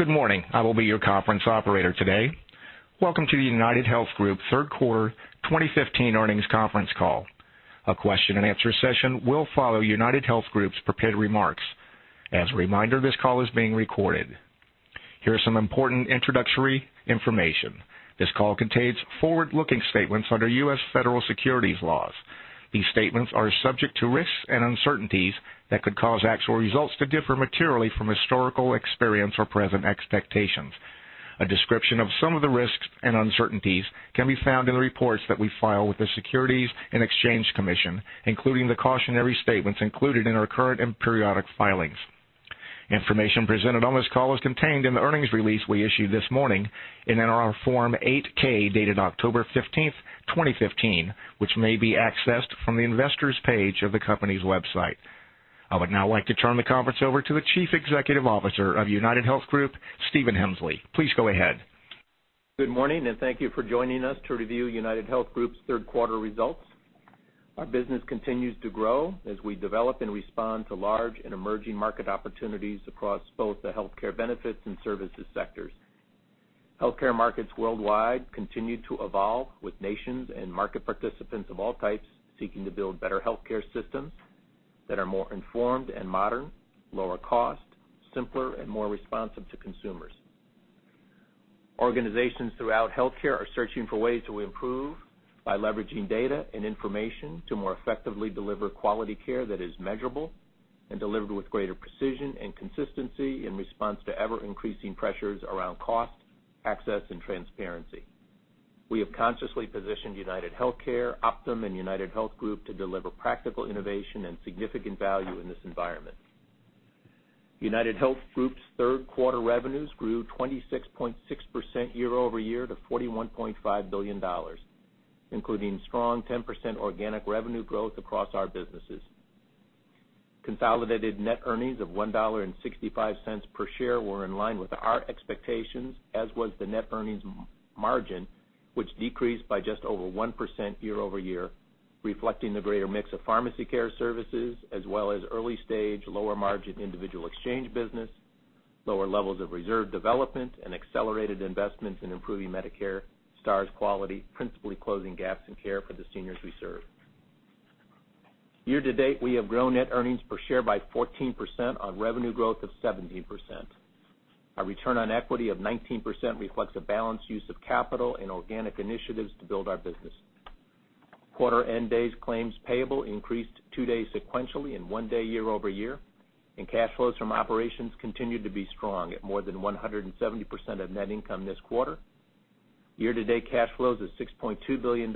Good morning. I will be your conference operator today. Welcome to the UnitedHealth Group third quarter 2015 earnings conference call. A question and answer session will follow UnitedHealth Group's prepared remarks. As a reminder, this call is being recorded. Here is some important introductory information. This call contains forward-looking statements under U.S. federal securities laws. These statements are subject to risks and uncertainties that could cause actual results to differ materially from historical experience or present expectations. A description of some of the risks and uncertainties can be found in the reports that we file with the Securities and Exchange Commission, including the cautionary statements included in our current and periodic filings. Information presented on this call is contained in the earnings release we issued this morning and in our Form 8-K, dated October 15, 2015, which may be accessed from the investors page of the company's website. I would now like to turn the conference over to the Chief Executive Officer of UnitedHealth Group, Steven Hemsley. Please go ahead. Good morning. Thank you for joining us to review UnitedHealth Group's third quarter results. Our business continues to grow as we develop and respond to large and emerging market opportunities across both the healthcare benefits and services sectors. Healthcare markets worldwide continue to evolve with nations and market participants of all types seeking to build better healthcare systems that are more informed and modern, lower cost, simpler, and more responsive to consumers. Organizations throughout healthcare are searching for ways to improve by leveraging data and information to more effectively deliver quality care that is measurable and delivered with greater precision and consistency in response to ever-increasing pressures around cost, access, and transparency. We have consciously positioned UnitedHealthcare, Optum, and UnitedHealth Group to deliver practical innovation and significant value in this environment. UnitedHealth Group's third quarter revenues grew 26.6% year-over-year to $41.5 billion, including strong 10% organic revenue growth across our businesses. Consolidated net earnings of $1.65 per share were in line with our expectations, as was the net earnings margin, which decreased by just over 1% year-over-year, reflecting the greater mix of pharmacy care services as well as early-stage, lower-margin individual exchange business, lower levels of reserve development, and accelerated investments in improving Medicare Stars quality, principally closing gaps in care for the seniors we serve. Year to date, we have grown net earnings per share by 14% on revenue growth of 17%. Our return on equity of 19% reflects a balanced use of capital and organic initiatives to build our business. Quarter-end days claims payable increased two days sequentially and one day year-over-year. Cash flows from operations continued to be strong at more than 170% of net income this quarter. Year-to-date cash flows of $6.2 billion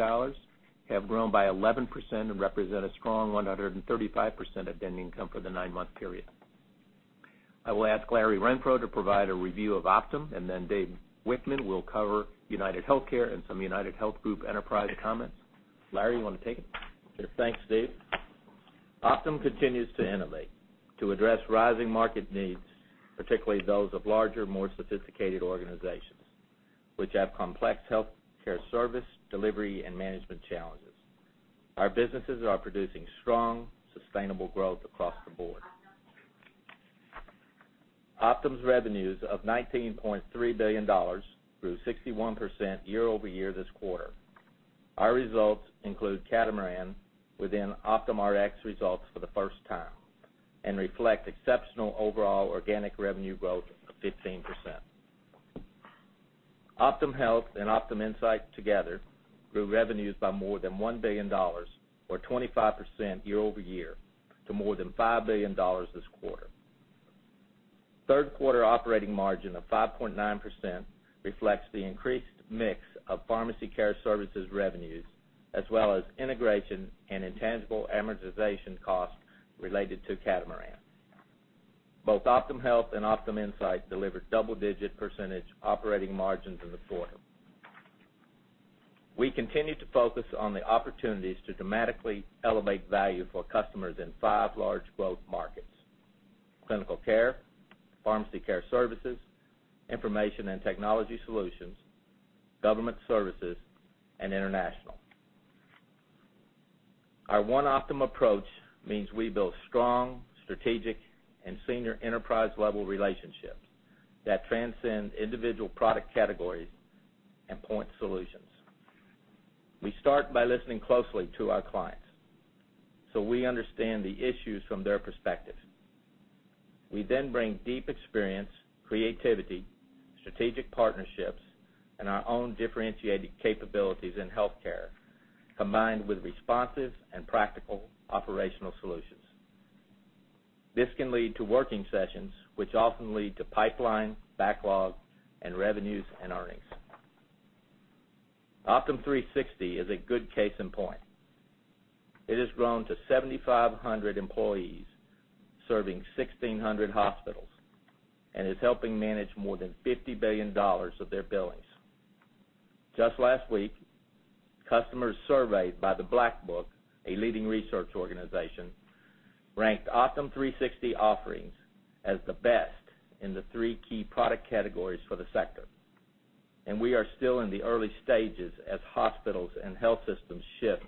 have grown by 11% and represent a strong 135% of net income for the nine-month period. I will ask Larry Renfro to provide a review of Optum. Dave Wichmann will cover UnitedHealthcare and some UnitedHealth Group enterprise comments. Larry, you want to take it? Sure. Thanks, Steve. Optum continues to innovate to address rising market needs, particularly those of larger, more sophisticated organizations, which have complex healthcare service delivery and management challenges. Our businesses are producing strong, sustainable growth across the board. Optum's revenues of $19.3 billion grew 61% year-over-year this quarter. Our results include Catamaran within OptumRx results for the first time and reflect exceptional overall organic revenue growth of 15%. Optum Health and Optum Insight together grew revenues by more than $1 billion or 25% year-over-year to more than $5 billion this quarter. Third quarter operating margin of 5.9% reflects the increased mix of pharmacy care services revenues as well as integration and intangible amortization costs related to Catamaran. Both Optum Health and Optum Insight delivered double-digit percentage operating margins in the quarter. We continue to focus on the opportunities to dramatically elevate value for customers in five large growth markets: clinical care, pharmacy care services, information and technology solutions, government services, and international. Our One Optum approach means we build strong, strategic, and senior enterprise-level relationships that transcend individual product categories and point solutions. We start by listening closely to our clients so we understand the issues from their perspective. We bring deep experience, creativity, strategic partnerships, and our own differentiated capabilities in healthcare, combined with responsive and practical operational solutions. This can lead to working sessions, which often lead to pipeline, backlog, and revenues and earnings. Optum360 is a good case in point. It has grown to 7,500 employees, serving 1,600 hospitals and is helping manage more than $50 billion of their billings. Just last week, customers surveyed by the Black Book, a leading research organization, ranked Optum360 offerings as the best in the three key product categories for the sector. We are still in the early stages as hospitals and health systems shift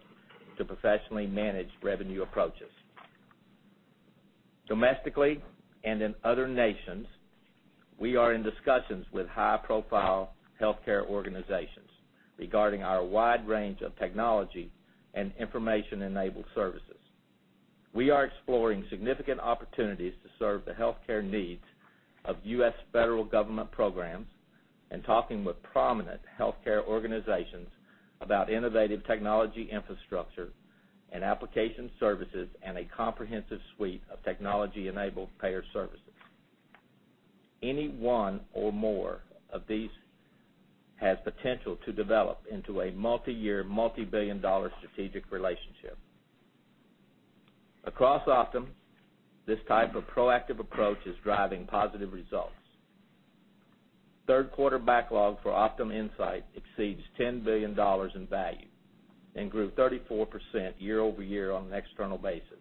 to professionally managed revenue approaches. Domestically and in other nations, we are in discussions with high-profile healthcare organizations regarding our wide range of technology and information-enabled services. We are exploring significant opportunities to serve the healthcare needs of U.S. federal government programs and talking with prominent healthcare organizations about innovative technology infrastructure and application services and a comprehensive suite of technology-enabled payer services. Any one or more of these has potential to develop into a multiyear, multibillion-dollar strategic relationship. Across Optum, this type of proactive approach is driving positive results. Third quarter backlog for Optum Insight exceeds $10 billion in value and grew 34% year-over-year on an external basis.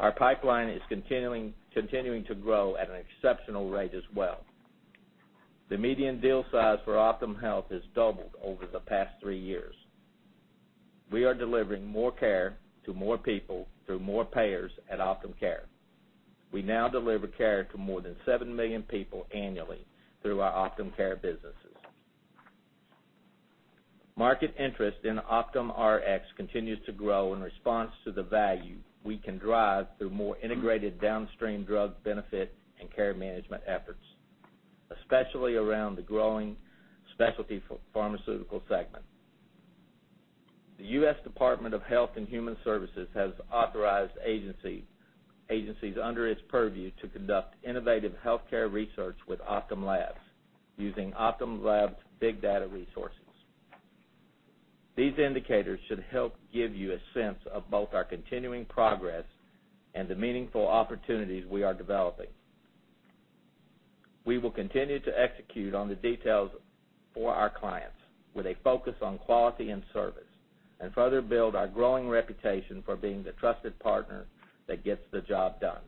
Our pipeline is continuing to grow at an exceptional rate as well. The median deal size for Optum Health has doubled over the past three years. We are delivering more care to more people through more payers at Optum Care. We now deliver care to more than seven million people annually through our Optum Care businesses. Market interest in OptumRx continues to grow in response to the value we can drive through more integrated downstream drug benefit and care management efforts, especially around the growing specialty for pharmaceutical segment. The U.S. Department of Health and Human Services has authorized agencies under its purview to conduct innovative healthcare research with Optum Labs using Optum Labs' big data resources. These indicators should help give you a sense of both our continuing progress and the meaningful opportunities we are developing. We will continue to execute on the details for our clients with a focus on quality and service and further build our growing reputation for being the trusted partner that gets the job done.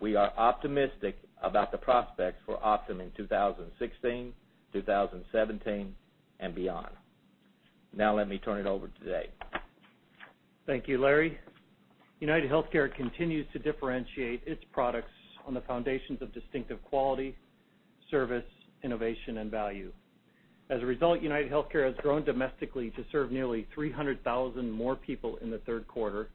We are optimistic about the prospects for Optum in 2016, 2017, and beyond. Let me turn it over to Dave. Thank you, Larry. UnitedHealthcare continues to differentiate its products on the foundations of distinctive quality, service, innovation, and value. As a result, UnitedHealthcare has grown domestically to serve nearly 300,000 more people in the third quarter,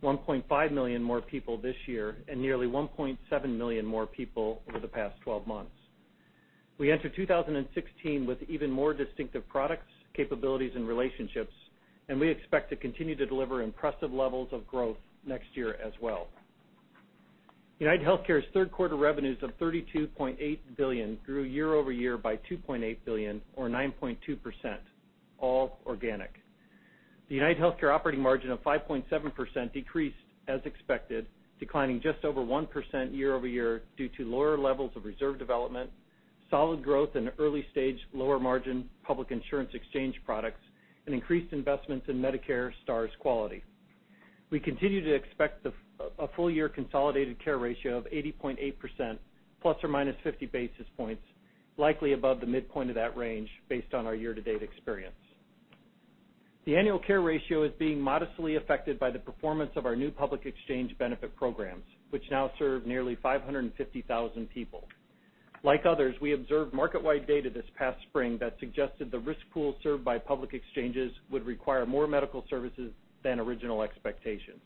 1.5 million more people this year, and nearly 1.7 million more people over the past 12 months. We enter 2016 with even more distinctive products, capabilities, and relationships, we expect to continue to deliver impressive levels of growth next year as well. UnitedHealthcare's third quarter revenues of $32.8 billion grew year-over-year by $2.8 billion, or 9.2%, all organic. The UnitedHealthcare operating margin of 5.7% decreased as expected, declining just over 1% year-over-year due to lower levels of reserve development, solid growth in early-stage, lower-margin public insurance exchange products, and increased investments in Medicare Stars quality. We continue to expect a full-year consolidated care ratio of 80.8%, ±50 basis points, likely above the midpoint of that range based on our year-to-date experience. The annual care ratio is being modestly affected by the performance of our new public exchange benefit programs, which now serve nearly 550,000 people. Like others, we observed market-wide data this past spring that suggested the risk pool served by public exchanges would require more medical services than original expectations.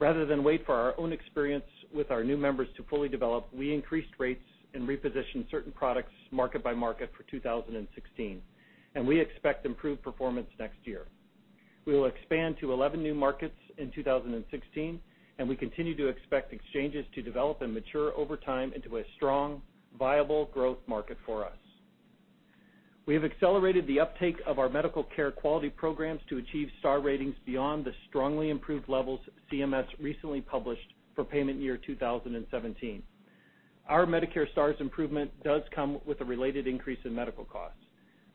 Rather than wait for our own experience with our new members to fully develop, we increased rates and repositioned certain products market by market for 2016, we expect improved performance next year. We will expand to 11 new markets in 2016, we continue to expect exchanges to develop and mature over time into a strong, viable growth market for us. We have accelerated the uptake of our medical care quality programs to achieve Star ratings beyond the strongly improved levels CMS recently published for payment year 2017. Our Medicare Stars improvement does come with a related increase in medical costs.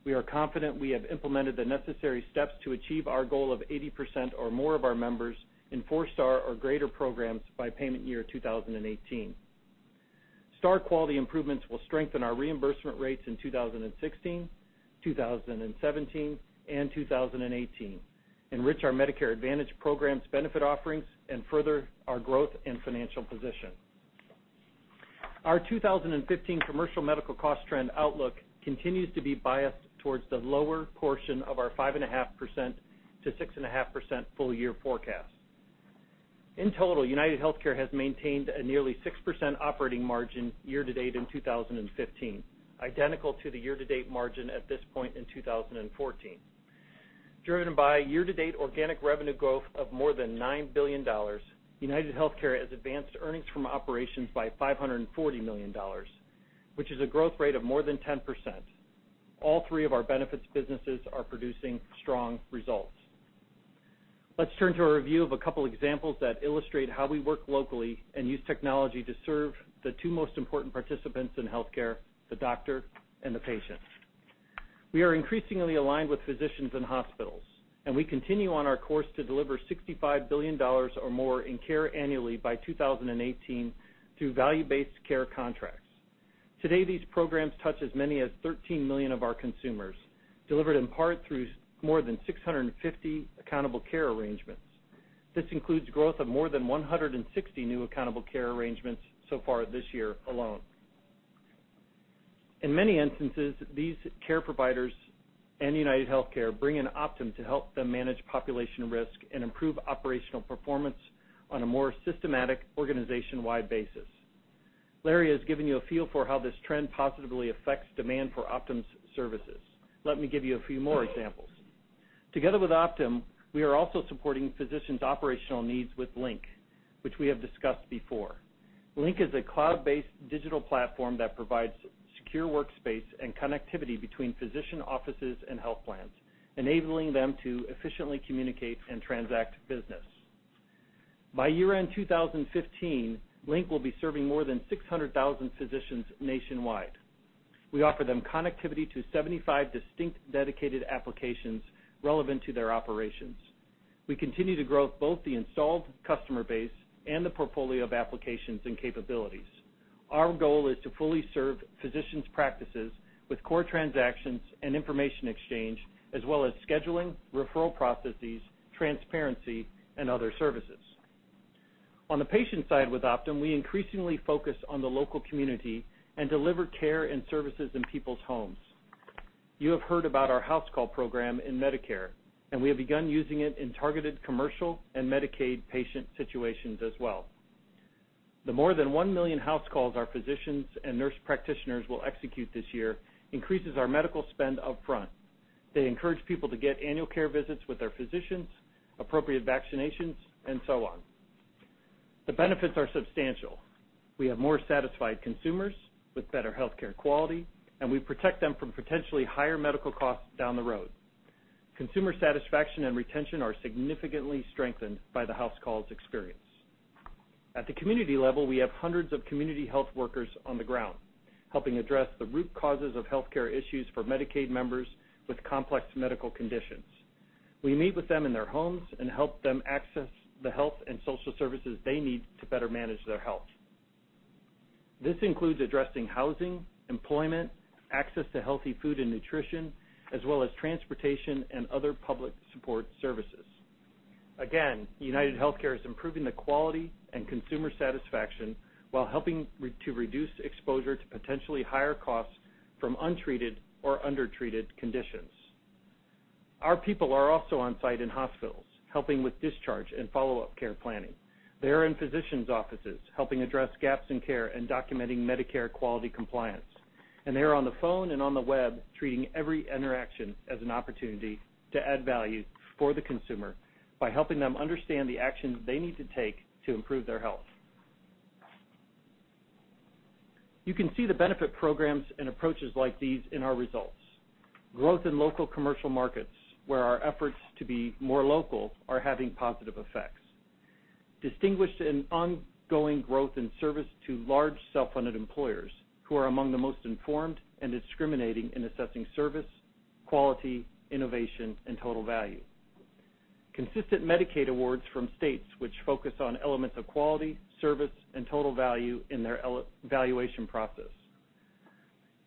We are confident we have implemented the necessary steps to achieve our goal of 80% or more of our members in four-star or greater programs by payment year 2018. Star quality improvements will strengthen our reimbursement rates in 2016, 2017, and 2018, enrich our Medicare Advantage programs benefit offerings, and further our growth and financial position. Our 2015 commercial medical cost trend outlook continues to be biased towards the lower portion of our 5.5%-6.5% full-year forecast. In total, UnitedHealthcare has maintained a nearly 6% operating margin year-to-date in 2015, identical to the year-to-date margin at this point in 2014. Driven by year-to-date organic revenue growth of more than $9 billion, UnitedHealthcare has advanced earnings from operations by $540 million, which is a growth rate of more than 10%. All three of our benefits businesses are producing strong results. Let's turn to a review of a couple examples that illustrate how we work locally and use technology to serve the two most important participants in healthcare, the doctor and the patient. We are increasingly aligned with physicians and hospitals, and we continue on our course to deliver $65 billion or more in care annually by 2018 through value-based care contracts. Today, these programs touch as many as 13 million of our consumers, delivered in part through more than 650 accountable care arrangements. This includes growth of more than 160 new accountable care arrangements so far this year alone. In many instances, these care providers and UnitedHealthcare bring in Optum to help them manage population risk and improve operational performance on a more systematic, organization-wide basis. Larry has given you a feel for how this trend positively affects demand for Optum's services. Let me give you a few more examples. Together with Optum, we are also supporting physicians' operational needs with Link, which we have discussed before. Link is a cloud-based digital platform that provides secure workspace and connectivity between physician offices and health plans, enabling them to efficiently communicate and transact business. By year-end 2015, Link will be serving more than 600,000 physicians nationwide. We offer them connectivity to 75 distinct dedicated applications relevant to their operations. We continue to grow both the installed customer base and the portfolio of applications and capabilities. Our goal is to fully serve physicians' practices with core transactions and information exchange, as well as scheduling, referral processes, transparency, and other services. On the patient side with Optum, we increasingly focus on the local community and deliver care and services in people's homes. You have heard about our house call program in Medicare, and we have begun using it in targeted commercial and Medicaid patient situations as well. The more than 1 million house calls our physicians and nurse practitioners will execute this year increases our medical spend up front. They encourage people to get annual care visits with their physicians, appropriate vaccinations, and so on. The benefits are substantial. We have more satisfied consumers with better healthcare quality, and we protect them from potentially higher medical costs down the road. Consumer satisfaction and retention are significantly strengthened by the house calls experience. At the community level, we have hundreds of community health workers on the ground helping address the root causes of healthcare issues for Medicaid members with complex medical conditions. We meet with them in their homes and help them access the health and social services they need to better manage their health. This includes addressing housing, employment, access to healthy food and nutrition, as well as transportation and other public support services. Again, UnitedHealthcare is improving the quality and consumer satisfaction while helping to reduce exposure to potentially higher costs from untreated or undertreated conditions. Our people are also on site in hospitals, helping with discharge and follow-up care planning. They are in physicians' offices helping address gaps in care and documenting Medicare quality compliance. They are on the phone and on the web, treating every interaction as an opportunity to add value for the consumer by helping them understand the actions they need to take to improve their health. You can see the benefit programs and approaches like these in our results. Growth in local commercial markets, where our efforts to be more local are having positive effects. Distinguished and ongoing growth in service to large self-funded employers who are among the most informed and discriminating in assessing service, quality, innovation, and total value. Consistent Medicaid awards from states which focus on elements of quality, service, and total value in their valuation process.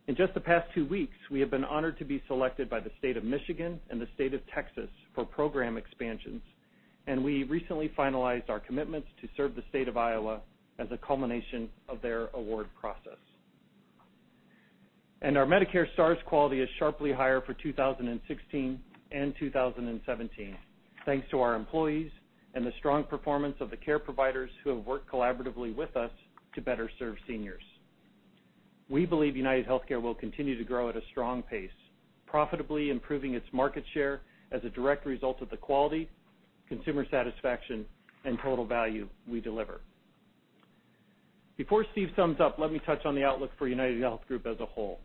In just the past two weeks, we have been honored to be selected by the state of Michigan and the state of Texas for program expansions, and we recently finalized our commitments to serve the state of Iowa as a culmination of their award process. Our Medicare Stars quality is sharply higher for 2016 and 2017, thanks to our employees and the strong performance of the care providers who have worked collaboratively with us to better serve seniors. We believe UnitedHealthcare will continue to grow at a strong pace, profitably improving its market share as a direct result of the quality, consumer satisfaction, and total value we deliver. Before Steve sums up, let me touch on the outlook for UnitedHealth Group as a whole.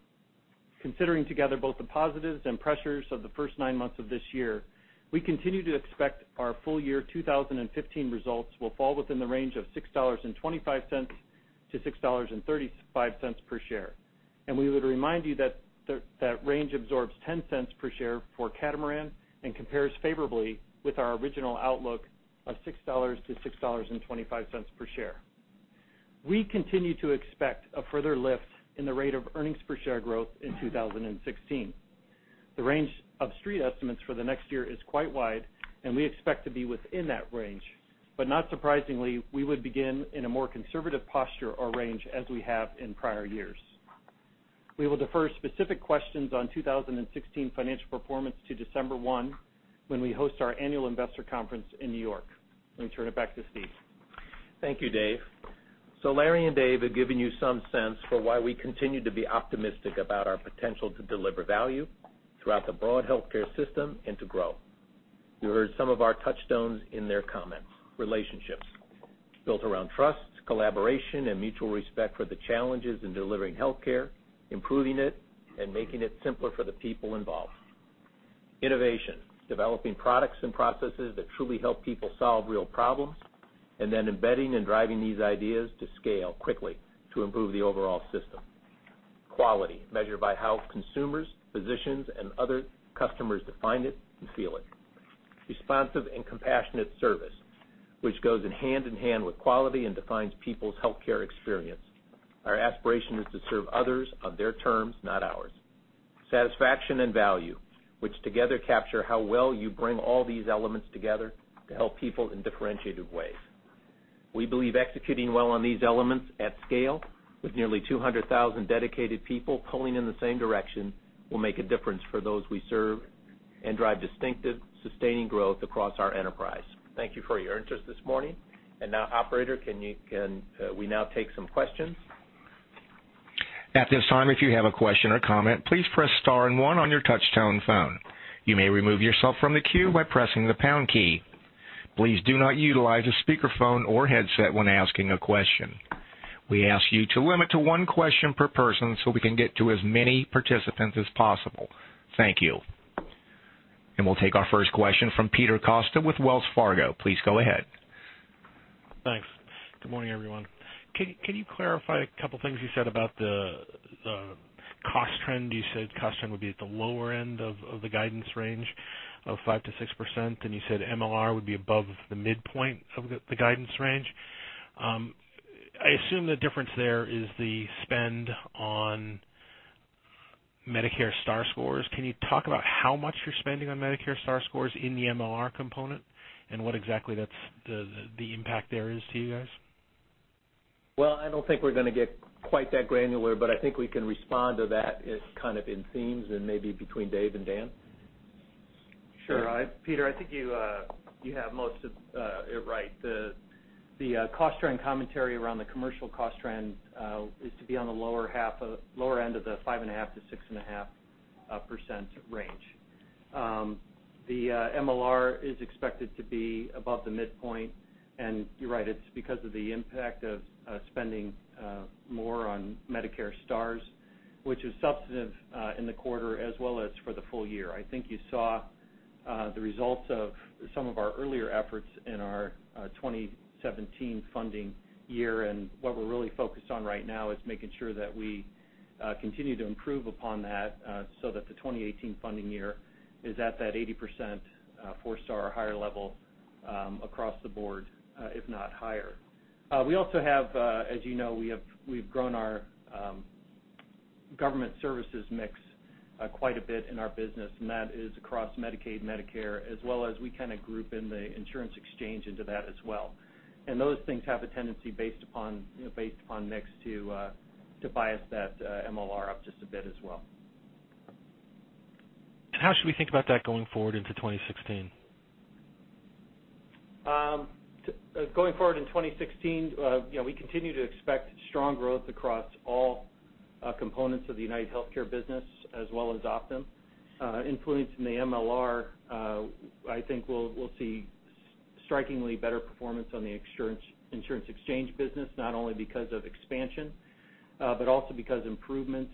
Considering together both the positives and pressures of the first nine months of this year, we continue to expect our full year 2015 results will fall within the range of $6.25-$6.35 per share. We would remind you that that range absorbs $0.10 per share for Catamaran and compares favorably with our original outlook of $6-$6.25 per share. We continue to expect a further lift in the rate of earnings per share growth in 2016. The range of street estimates for the next year is quite wide, and we expect to be within that range. Not surprisingly, we would begin in a more conservative posture or range as we have in prior years. We will defer specific questions on 2016 financial performance to December 1, when we host our annual investor conference in New York. Let me turn it back to Steve. Thank you, Dave. Larry and Dave have given you some sense for why we continue to be optimistic about our potential to deliver value throughout the broad healthcare system and to grow. You heard some of our touchstones in their comments. Relationships built around trust, collaboration, and mutual respect for the challenges in delivering healthcare, improving it, and making it simpler for the people involved. Innovation, developing products and processes that truly help people solve real problems, and then embedding and driving these ideas to scale quickly to improve the overall system. Quality, measured by how consumers, physicians, and other customers define it and feel it. Responsive and compassionate service, which goes hand in hand with quality and defines people's healthcare experience. Our aspiration is to serve others on their terms, not ours. Satisfaction and value, which together capture how well you bring all these elements together to help people in differentiated ways. We believe executing well on these elements at scale, with nearly 200,000 dedicated people pulling in the same direction, will make a difference for those we serve and drive distinctive, sustaining growth across our enterprise. Thank you for your interest this morning. Now, operator, can we now take some questions? At this time, if you have a question or comment, please press star and one on your touch-tone phone. You may remove yourself from the queue by pressing the pound key. Please do not utilize a speakerphone or headset when asking a question. We ask you to limit to one question per person so we can get to as many participants as possible. Thank you. We'll take our first question from Peter Costa with Wells Fargo. Please go ahead. Thanks. Good morning, everyone. Can you clarify a couple of things you said about the cost trend? You said cost trend would be at the lower end of the guidance range of 5%-6%, and you said MLR would be above the midpoint of the guidance range. I assume the difference there is the spend on Medicare Stars scores. Can you talk about how much you're spending on Medicare Stars scores in the MLR component, and what exactly the impact there is to you guys? Well, I don't think we're going to get quite that granular, but I think we can respond to that kind of in themes and maybe between Dave and Dan. Sure. Peter, I think you have most of it right. The cost trend commentary around the commercial cost trend is to be on the lower end of the 5.5%-6.5% range. The MLR is expected to be above the midpoint, and you're right, it's because of the impact of spending more on Medicare Stars, which is substantive in the quarter as well as for the full year. I think you saw the results of some of our earlier efforts in our 2017 funding year. What we're really focused on right now is making sure that we continue to improve upon that so that the 2018 funding year is at that 80% 4-star or higher level across the board, if not higher. We also have, as you know, we've grown our government services mix quite a bit in our business, and that is across Medicaid, Medicare, as well as we kind of group in the insurance exchange into that as well. Those things have a tendency based upon mix to bias that MLR up just a bit as well. How should we think about that going forward into 2016? Going forward in 2016, we continue to expect strong growth across all components of the UnitedHealthcare business as well as Optum. Influencing the MLR, I think we'll see strikingly better performance on the insurance exchange business, not only because of expansion, but also because improvements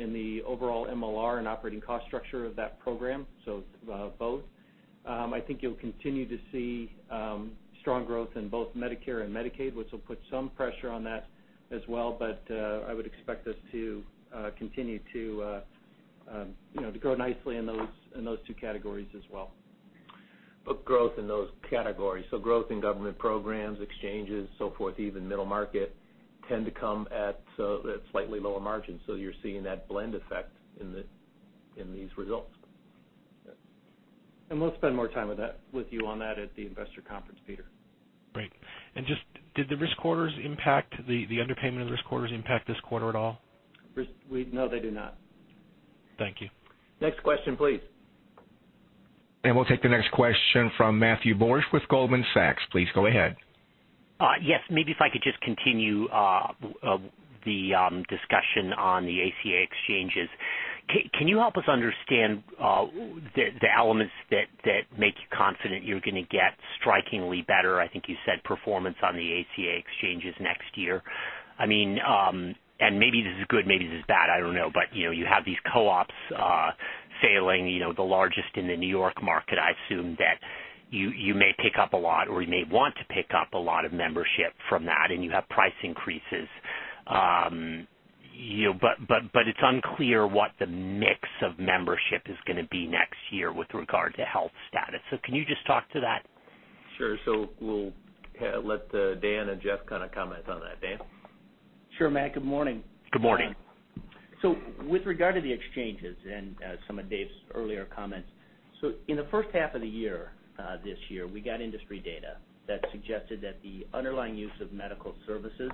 in the overall MLR and operating cost structure of that program, so both. I think you'll continue to see strong growth in both Medicare and Medicaid, which will put some pressure on that as well. I would expect us to continue to grow nicely in those two categories as well. Growth in those categories, so growth in government programs, exchanges, so forth, even middle market, tend to come at slightly lower margins. You're seeing that blend effect in these results. We'll spend more time with you on that at the investor conference, Peter. Great. Did the underpayment of risk corridors impact this quarter at all? No, they did not. Thank you. Next question, please. We'll take the next question from Matthew Borsch with Goldman Sachs. Please go ahead. Yes. Maybe if I could just continue the discussion on the ACA exchanges. Can you help us understand the elements that make you confident you're going to get strikingly better, I think you said, performance on the ACA exchanges next year? Maybe this is good, maybe this is bad, I don't know, but you have these co-ops failing, the largest in the New York market. I assume that you may pick up a lot, or you may want to pick up a lot of membership from that, and you have price increases. It's unclear what the mix of membership is going to be next year with regard to health status. Can you just talk to that? Sure. We'll let Dan and Jeff kind of comment on that. Dan? Sure, Matt. Good morning. Good morning. With regard to the exchanges and some of Dave's earlier comments, in the first half of the year this year, we got industry data that suggested that the underlying use of medical services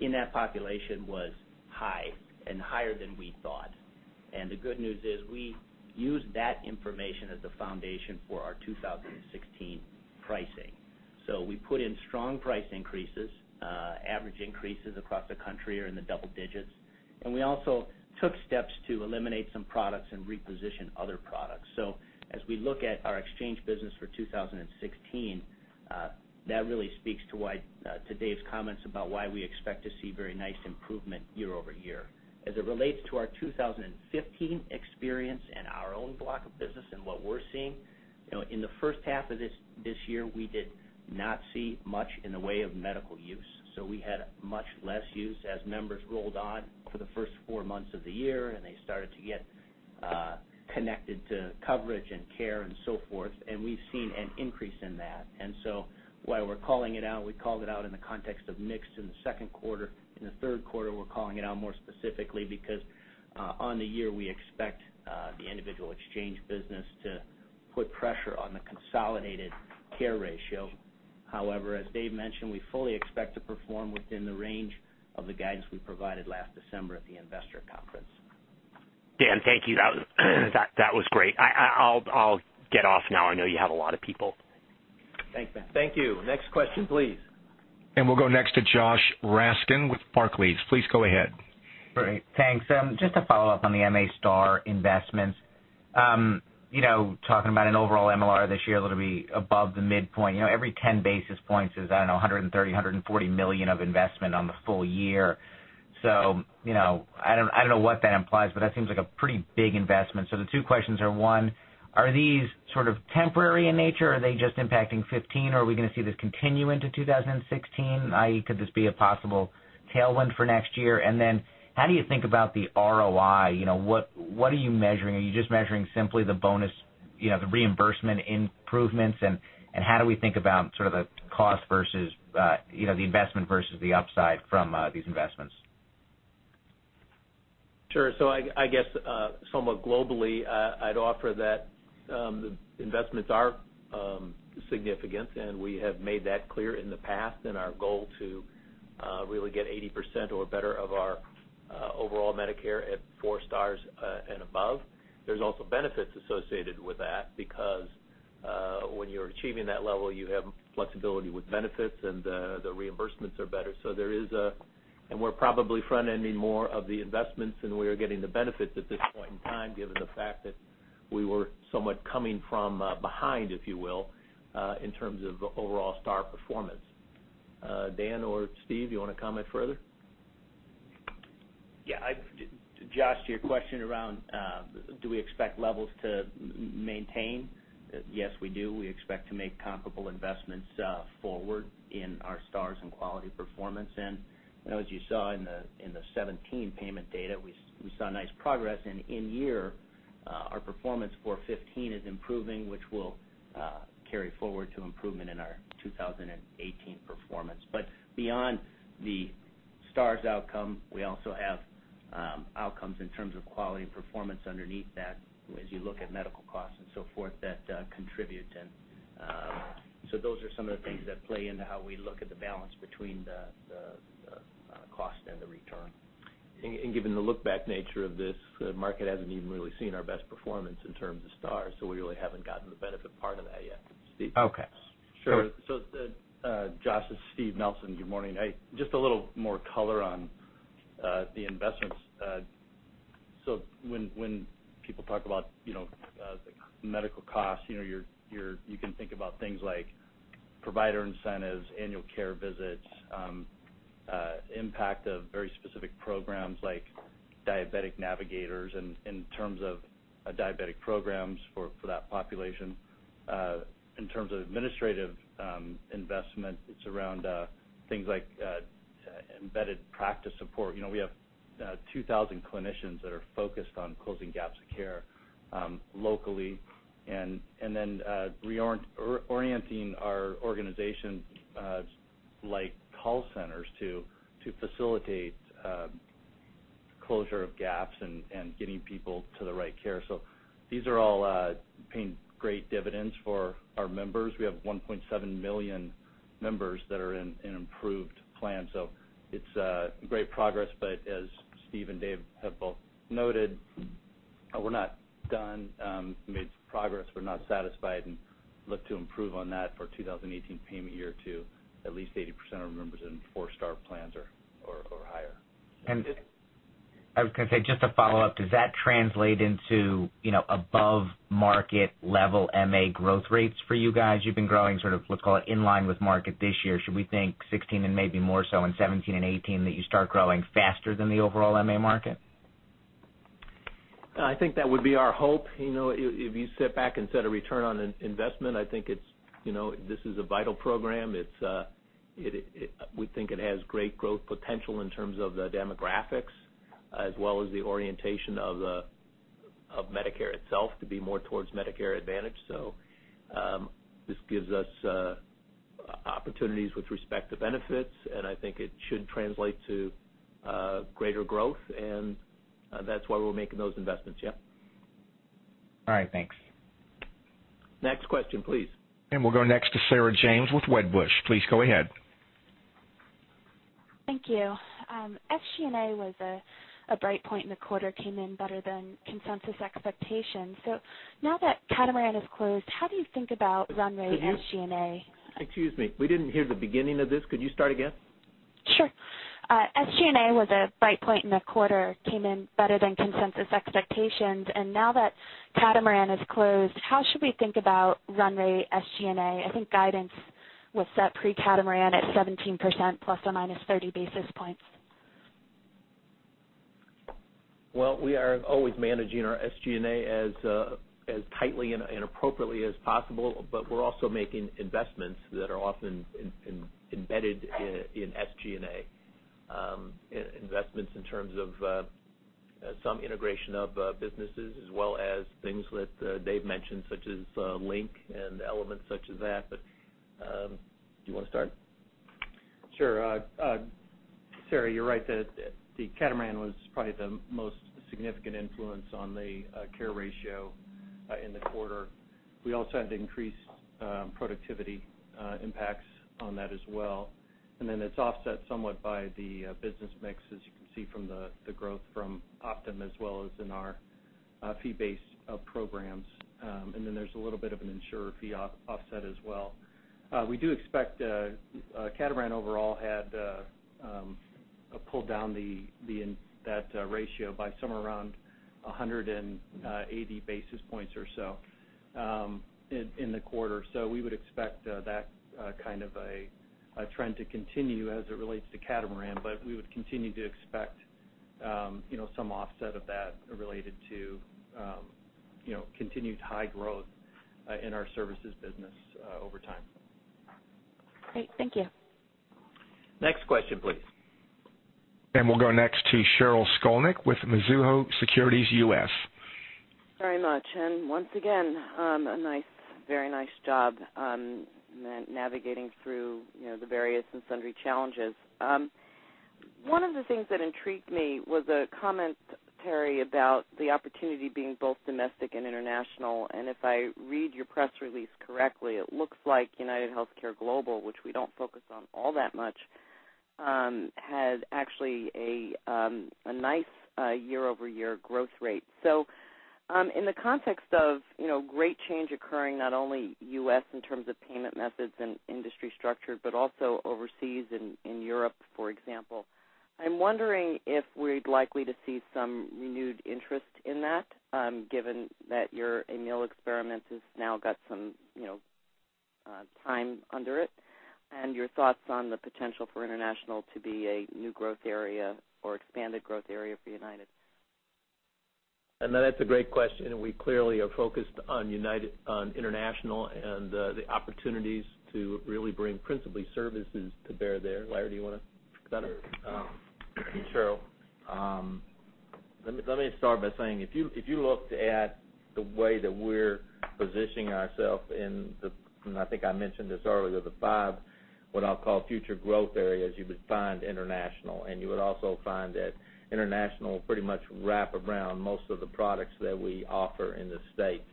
in that population was high, and higher than we thought. The good news is we used that information as the foundation for our 2016 pricing. We put in strong price increases. Average increases across the country are in the double digits. We also took steps to eliminate some products and reposition other products. As we look at our exchange business for 2016, that really speaks to Dave's comments about why we expect to see very nice improvement year-over-year. As it relates to our 2015 experience and our own block of business and what we're seeing, in the first half of this year, we did not see much in the way of medical use. We had much less use as members rolled on for the first four months of the year, and they started to get connected to coverage and care and so forth, and we've seen an increase in that. While we're calling it out, we called it out in the context of mix in the second quarter. In the third quarter, we're calling it out more specifically because on the year, we expect the individual exchange business to put pressure on the consolidated care ratio. However, as Dave mentioned, we fully expect to perform within the range of the guidance we provided last December at the investor conference. Dan, thank you. That was great. I'll get off now. I know you have a lot of people. Thanks, man. Thank you. Next question, please. We'll go next to Joshua Raskin with Barclays. Please go ahead. Great. Thanks. Just to follow up on the MA Stars investments. Talking about an overall MLR this year that'll be above the midpoint. Every 10 basis points is, I don't know, $130 million, $140 million of investment on the full year. I don't know what that implies, but that seems like a pretty big investment. The two questions are, one, are these temporary in nature? Are they just impacting 2015, or are we going to see this continue into 2016, i.e., could this be a possible tailwind for next year? How do you think about the ROI? What are you measuring? Are you just measuring simply the bonus, the reimbursement improvements? How do we think about the cost versus the investment versus the upside from these investments? Sure. I guess somewhat globally, I'd offer that the investments are significant, and we have made that clear in the past in our goal to really get 80% or better of our overall Medicare at four Stars and above. There's also benefits associated with that because when you're achieving that level, you have flexibility with benefits and the reimbursements are better. We're probably front-ending more of the investments than we are getting the benefits at this point in time, given the fact that we were somewhat coming from behind, if you will, in terms of overall star performance. Dan or Steve, you want to comment further? Josh, to your question around do we expect levels to maintain? Yes, we do. We expect to make comparable investments forward in our Stars and quality performance. As you saw in the 2017 payment data, we saw nice progress, and in year our performance for 2015 is improving, which will carry forward to improvement in our 2018 performance. Beyond the Stars outcome, we also have outcomes in terms of quality and performance underneath that as you look at medical costs and so forth that contribute in. Those are some of the things that play into how we look at the balance between the cost and the return. Given the look-back nature of this, the market hasn't even really seen our best performance in terms of Stars, we really haven't gotten the benefit part of that yet. Steve? Okay. Sure. Josh, it's Steve Nelson. Good morning. Just a little more color on the investments. When people talk about the medical costs, you can think about things like provider incentives, annual care visits, impact of very specific programs like diabetic navigators and in terms of diabetic programs for that population. In terms of administrative investment, it's around things like embedded practice support. We have 2,000 clinicians that are focused on closing gaps of care locally, and then reorienting our organization like call centers to facilitate closure of gaps and getting people to the right care. These are all paying great dividends for our members. We have 1.7 million members that are in improved plans. It's great progress, but as Steve and Dave have both noted, we're not done. We made some progress. We're not satisfied and look to improve on that for 2018 payment year to at least 80% of our members in four-Star plans or higher. I was going to say, just to follow up, does that translate into above market level MA growth rates for you guys? You've been growing sort of, let's call it in line with market this year. Should we think 2016 and maybe more so in 2017 and 2018 that you start growing faster than the overall MA market? I think that would be our hope. If you sit back and set a return on investment, I think this is a vital program. We think it has great growth potential in terms of the demographics as well as the orientation of Medicare itself to be more towards Medicare Advantage. This gives us opportunities with respect to benefits, and I think it should translate to greater growth, and that's why we're making those investments. Yeah. All right. Thanks. Next question please. We'll go next to Sarah James with Wedbush. Please go ahead. Thank you. SG&A was a bright point in the quarter, came in better than consensus expectations. Now that Catamaran is closed, how do you think about runway SG&A? Excuse me, we didn't hear the beginning of this. Could you start again? Sure. SG&A was a bright point in the quarter, came in better than consensus expectations. Now that Catamaran is closed, how should we think about runway SG&A? I think guidance was set pre-Catamaran at 17% plus or minus 30 basis points. Well, we are always managing our SG&A as tightly and appropriately as possible, but we're also making investments that are often embedded in SG&A. investments in terms of some integration of businesses, as well as things that Dave mentioned, such as Link and elements such as that. Do you want to start? Sure. Terry, you're right that the Catamaran was probably the most significant influence on the care ratio in the quarter. We also had increased productivity impacts on that as well. It's offset somewhat by the business mix, as you can see from the growth from Optum as well as in our fee-based programs. There's a little bit of an insurer fee offset as well. We do expect Catamaran overall had pulled down that ratio by somewhere around 180 basis points or so in the quarter. We would expect that kind of a trend to continue as it relates to Catamaran, but we would continue to expect some offset of that related to continued high growth in our services business over time. Great. Thank you. Next question, please. We'll go next to Sheryl Skolnick with Mizuho Securities US. Very much. Once again, a very nice job on navigating through the various and sundry challenges. One of the things that intrigued me was a comment, Larry, about the opportunity being both domestic and international, if I read your press release correctly, it looks like UnitedHealthcare Global, which we don't focus on all that much, had actually a nice year-over-year growth rate. In the context of great change occurring, not only U.S. in terms of payment methods and industry structure, but also overseas in Europe, for example, I'm wondering if we're likely to see some renewed interest in that, given that your Amil experiment has now got some time under it, and your thoughts on the potential for international to be a new growth area or expanded growth area for United. That's a great question, we clearly are focused on international and the opportunities to really bring principally services to bear there. Larry, do you want to talk about it? Sure. Sheryl, let me start by saying, if you looked at the way that we're positioning ourself in the, I think I mentioned this earlier, the five, what I'll call future growth areas, you would find international, you would also find that international pretty much wrap around most of the products that we offer in the States.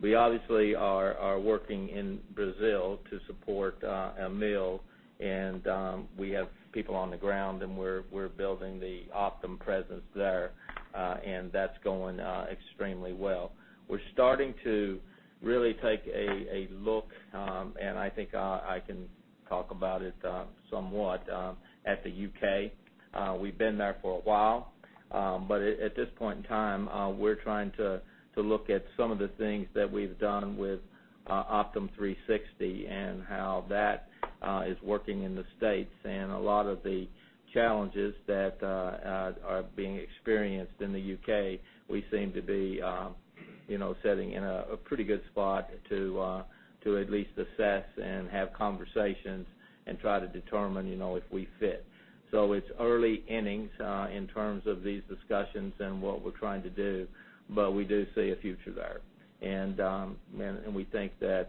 We obviously are working in Brazil to support Amil and we have people on the ground and we're building the Optum presence there, that's going extremely well. We're starting to really take a look, I think I can talk about it somewhat, at the U.K. We've been there for a while, but at this point in time, we're trying to look at some of the things that we've done with Optum360 and how that is working in the States. A lot of the challenges that are being experienced in the U.K., we seem to be sitting in a pretty good spot to at least assess and have conversations and try to determine if we fit. It's early innings in terms of these discussions and what we're trying to do, but we do see a future there. We think that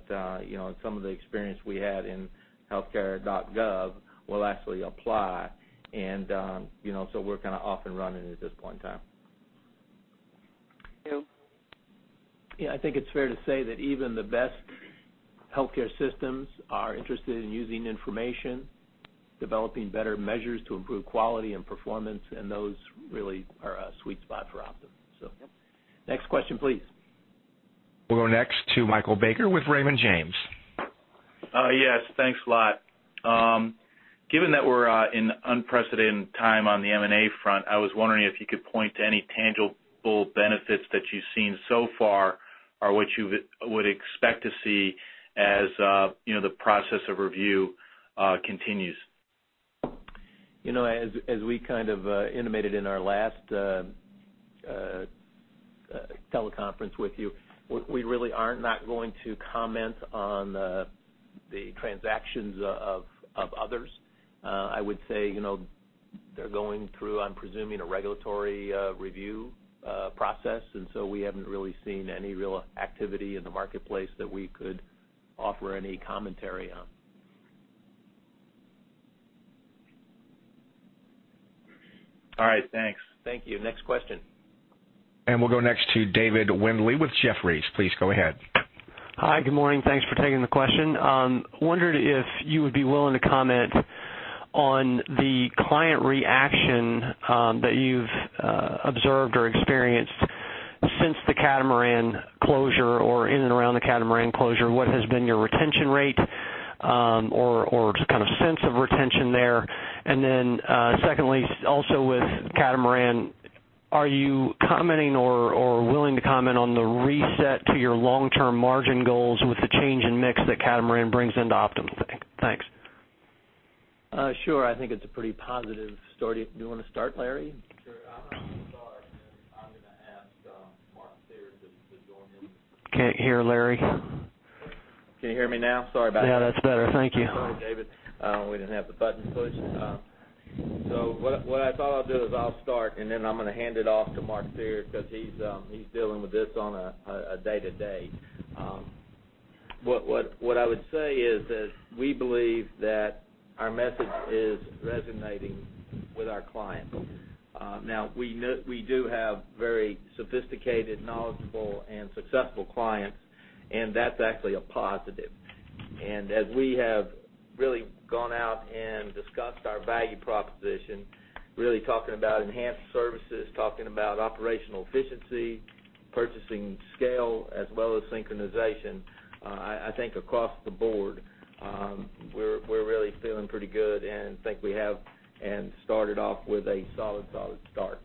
some of the experience we had in healthcare.gov will actually apply, we're kind of off and running at this point in time. Thank you. Yeah, I think it's fair to say that even the best healthcare systems are interested in using information, developing better measures to improve quality and performance, and those really are a sweet spot for Optum. Next question, please. We'll go next to Michael Baker with Raymond James. Yes. Thanks a lot. Given that we're in unprecedented time on the M&A front, I was wondering if you could point to any tangible benefits that you've seen so far or what you would expect to see as the process of review continues. As we kind of intimated in our last teleconference with you, we really are not going to comment on the transactions of others. I would say they're going through, I'm presuming, a regulatory review process, we haven't really seen any real activity in the marketplace that we could offer any commentary on. All right. Thanks. Thank you. Next question. We'll go next to David Windley with Jefferies. Please go ahead. Hi. Good morning. Thanks for taking the question. Wondered if you would be willing to comment on the client reaction that you've observed or experienced since the Catamaran closure or in and around the Catamaran closure. What has been your retention rate, or just kind of sense of retention there? Secondly, also with Catamaran, are you commenting or willing to comment on the reset to your long-term margin goals with the change in mix that Catamaran brings into Optum? Thanks. Sure. I think it's a pretty positive story. Do you want to start, Larry? Sure. Can't hear, Larry. Can you hear me now? Sorry about that. Yeah, that's better. Thank you. Sorry, David. We didn't have the button pushed. What I thought I'll do is I'll start, then I'm going to hand it off to Mark Thierer, because he's dealing with this on a day-to-day. What I would say is that we believe that our message is resonating with our clients. Now, we do have very sophisticated, knowledgeable, and successful clients, and that's actually a positive. As we have really gone out and discussed our value proposition, really talking about enhanced services, talking about operational efficiency, purchasing scale, as well as synchronization, I think across the board, we're really feeling pretty good and think we have started off with a solid start.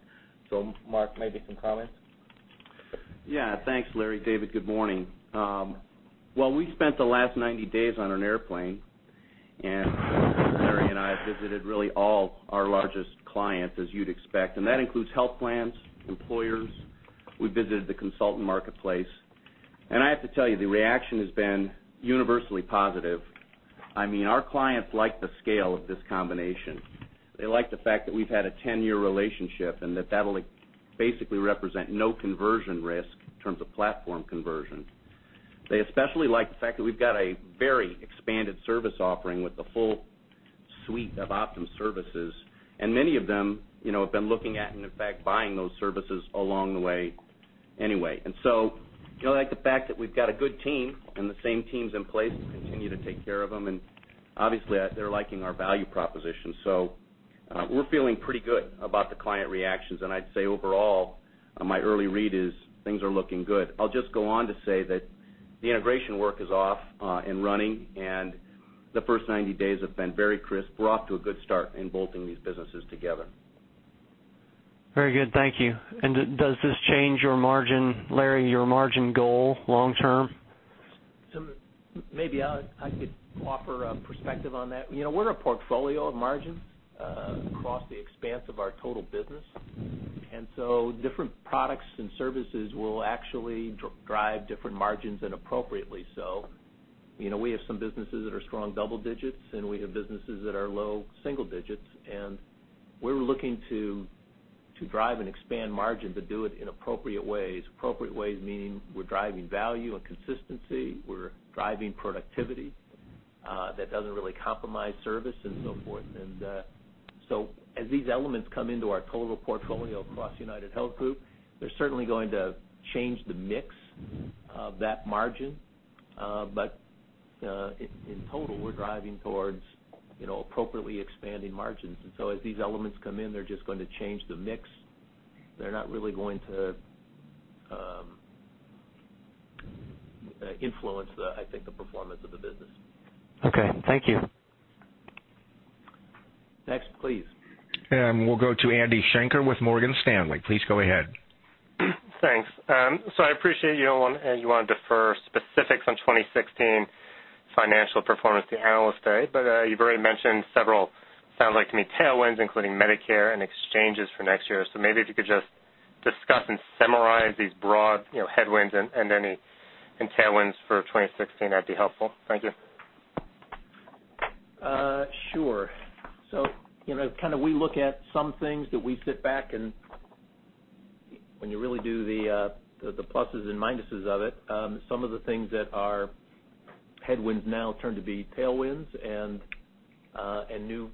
Mark, maybe some comments? Yeah. Thanks, Larry. David, good morning. Well, we spent the last 90 days on an airplane, Larry and I have visited really all our largest clients, as you'd expect, and that includes health plans, employers. We visited the consultant marketplace. I have to tell you, the reaction has been universally positive. Our clients like the scale of this combination. They like the fact that we've had a 10-year relationship and that that'll basically represent no conversion risk in terms of platform conversion. They especially like the fact that we've got a very expanded service offering with the full suite of Optum services, and many of them have been looking at, and in fact, buying those services along the way anyway. They like the fact that we've got a good team, and the same team's in place to continue to take care of them, and obviously, they're liking our value proposition. We're feeling pretty good about the client reactions, and I'd say overall, my early read is things are looking good. I'll just go on to say that the integration work is off and running, and the first 90 days have been very crisp. We're off to a good start in bolting these businesses together. Very good. Thank you. Does this change your margin, Larry, your margin goal long term? Maybe I could offer a perspective on that. We're a portfolio of margins across the expanse of our total business, and so different products and services will actually drive different margins, and appropriately so. We have some businesses that are strong double digits, and we have businesses that are low single digits, and we're looking to drive and expand margins and do it in appropriate ways. Appropriate ways meaning we're driving value and consistency, we're driving productivity that doesn't really compromise service and so forth. As these elements come into our total portfolio across UnitedHealth Group, they're certainly going to change the mix of that margin. In total, we're driving towards appropriately expanding margins. As these elements come in, they're just going to change the mix. They're not really going to influence, I think, the performance of the business. Okay. Thank you. Next, please. We'll go to Andrew Schenker with Morgan Stanley. Please go ahead. Thanks. I appreciate you want to defer specifics on 2016 financial performance to Analyst Day, but you've already mentioned several, sounds like to me, tailwinds, including Medicare and exchanges for next year. Maybe if you could just discuss and summarize these broad headwinds and any tailwinds for 2016, that'd be helpful. Thank you. Sure. We look at some things that we sit back and when you really do the pluses and minuses of it, some of the things that are headwinds now turn to be tailwinds, and new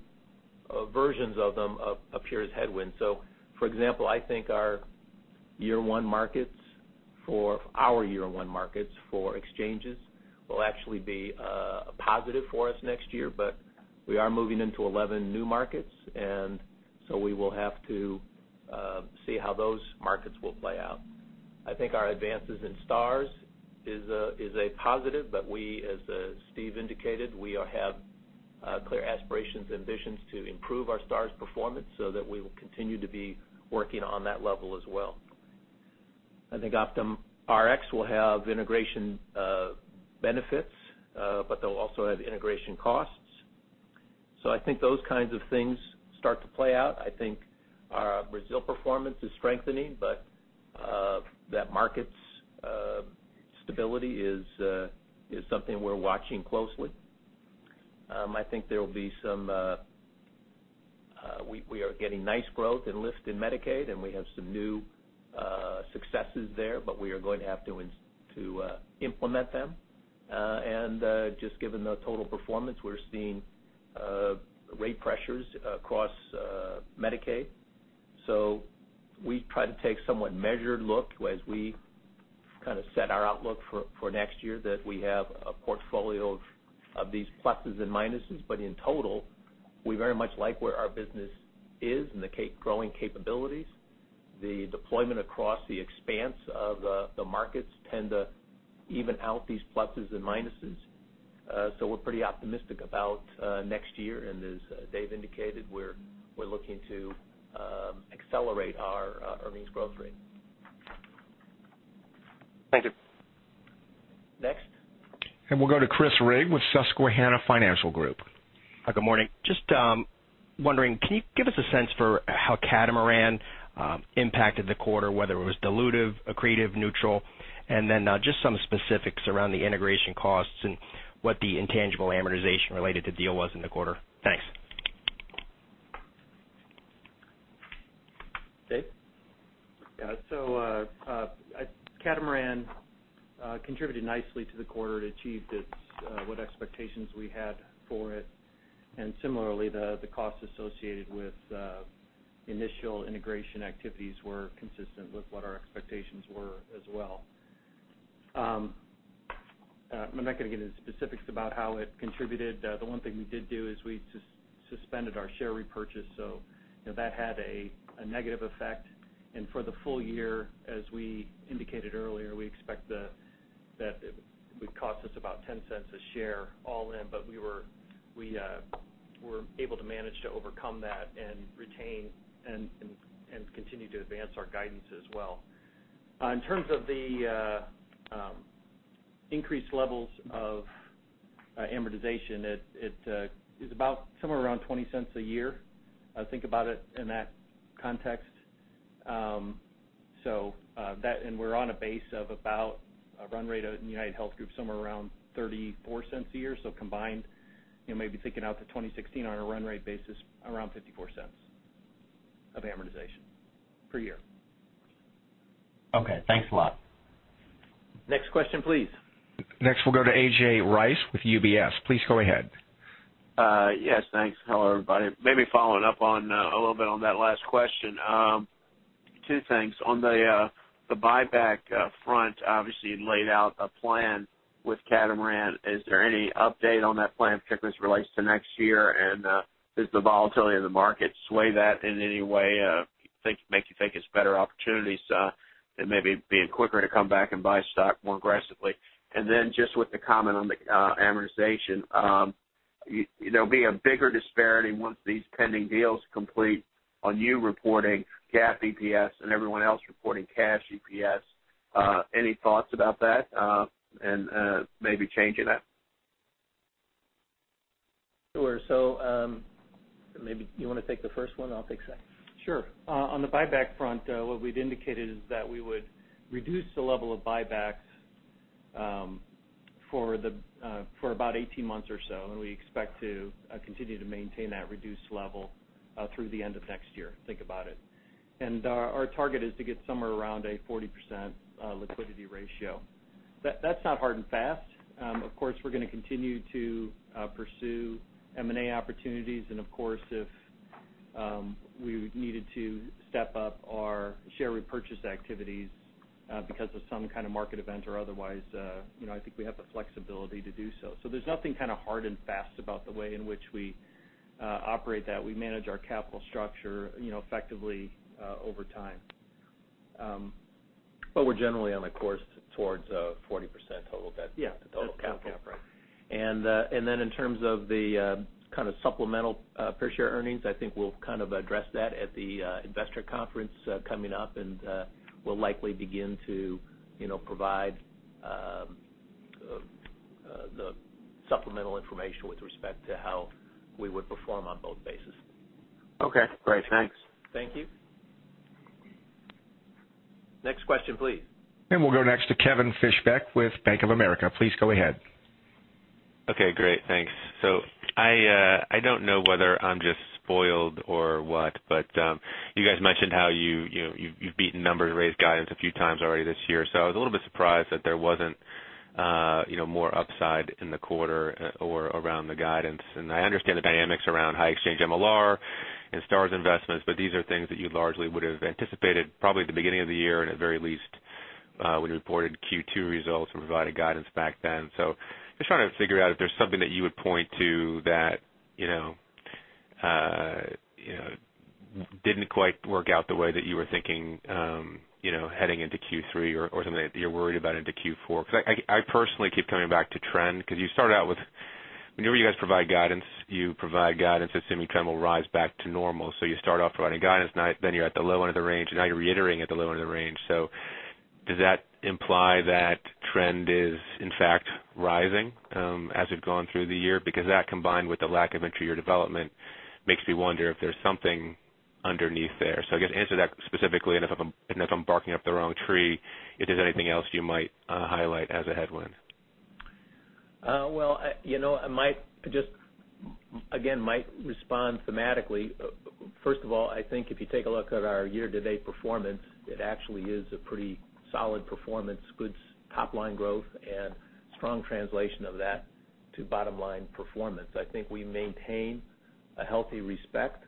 versions of them appear as headwinds. For example, I think our year one markets for our year one markets for exchanges will actually be a positive for us next year, but we are moving into 11 new markets, and we will have to see how those markets will play out. I think our advances in Stars is a positive, but we, as Steve indicated, we have clear aspirations and visions to improve our Stars performance so that we will continue to be working on that level as well. I think OptumRx will have integration benefits, but they'll also have integration costs. I think those kinds of things start to play out. I think our Brazil performance is strengthening, but that market's stability is something we're watching closely. We are getting nice growth in lifted Medicaid, and we have some new successes there, but we are going to have to implement them. Just given the total performance, we're seeing rate pressures across Medicaid. We try to take somewhat measured look as we set our outlook for next year, that we have a portfolio of these pluses and minuses. In total, we very much like where our business is and the growing capabilities. The deployment across the expanse of the markets tend to even out these pluses and minuses. We're pretty optimistic about next year, and as Dave indicated, we're looking to accelerate our earnings growth rate. Thank you. Next? We'll go to Chris Rigg with Susquehanna Financial Group. Good morning. Just wondering, can you give us a sense for how Catamaran impacted the quarter, whether it was dilutive, accretive, neutral? Then just some specifics around the integration costs and what the intangible amortization related to deal was in the quarter. Thanks. Dave? Catamaran contributed nicely to the quarter. It achieved what expectations we had for it. Similarly, the cost associated with initial integration activities were consistent with what our expectations were as well. I'm not going to get into specifics about how it contributed. The one thing we did do is we suspended our share repurchase. That had a negative effect. For the full year, as we indicated earlier, we expect that it would cost us about $0.10 a share all in. We were able to manage to overcome that and retain and continue to advance our guidance as well. In terms of the increased levels of amortization, it is about somewhere around $0.20 a year. Think about it in that context. We're on a base of about a run rate in UnitedHealth Group, somewhere around $0.34 a year. Combined, maybe thinking out to 2016 on a run rate basis, around $0.54 of amortization per year. Okay. Thanks a lot. Next question, please. We'll go to A.J. Rice with UBS. Please go ahead. Yes, thanks. Hello, everybody. Maybe following up a little bit on that last question. Two things. On the buyback front, obviously you laid out a plan with Catamaran. Is there any update on that plan, particularly as it relates to next year? Does the volatility in the market sway that in any way, make you think it's better opportunities and maybe being quicker to come back and buy stock more aggressively? Then just with the comment on the amortization, there'll be a bigger disparity once these pending deals complete on you reporting GAAP EPS and everyone else reporting cash EPS. Any thoughts about that? Maybe changing that? Sure. Maybe you want to take the first one, and I'll take the second. Sure. On the buyback front, what we'd indicated is that we would reduce the level of buybacks for about 18 months or so. We expect to continue to maintain that reduced level through the end of next year. Think about it. Our target is to get somewhere around a 40% liquidity ratio. That's not hard and fast. Of course, we're going to continue to pursue M&A opportunities. Of course, if we needed to step up our share repurchase activities because of some kind of market event or otherwise, I think we have the flexibility to do so. There's nothing hard and fast about the way in which we operate that. We manage our capital structure effectively over time. We're generally on a course towards a 40% total debt. Yeah. The total capital. In terms of the supplemental per share earnings, I think we'll address that at the investor conference coming up. We'll likely begin to provide the supplemental information with respect to how we would perform on both bases. Okay, great. Thanks. Thank you. Next question, please. We'll go next to Kevin Fischbeck with Bank of America. Please go ahead. Okay, great. Thanks. I don't know whether I'm just spoiled or what, you guys mentioned how you've beaten numbers and raised guidance a few times already this year. I was a little bit surprised that there wasn't more upside in the quarter or around the guidance. I understand the dynamics around high exchange MLR and Stars investments, but these are things that you largely would have anticipated probably at the beginning of the year and at very least when you reported Q2 results and provided guidance back then. Just trying to figure out if there's something that you would point to that didn't quite work out the way that you were thinking heading into Q3 or something that you're worried about into Q4. I personally keep coming back to trend. Whenever you guys provide guidance, you provide guidance assuming trend will rise back to normal. You start off providing guidance, then you're at the low end of the range, and now you're reiterating at the low end of the range. Does that imply that trend is in fact rising as we've gone through the year? That combined with the lack of underlying development makes me wonder if there's something underneath there. I guess answer that specifically, and if I'm barking up the wrong tree, if there's anything else you might highlight as a headwind. Well, I might just, again, might respond thematically. First of all, I think if you take a look at our year-to-date performance, it actually is a pretty solid performance, good top-line growth, and strong translation of that to bottom-line performance. I think we maintain a healthy respect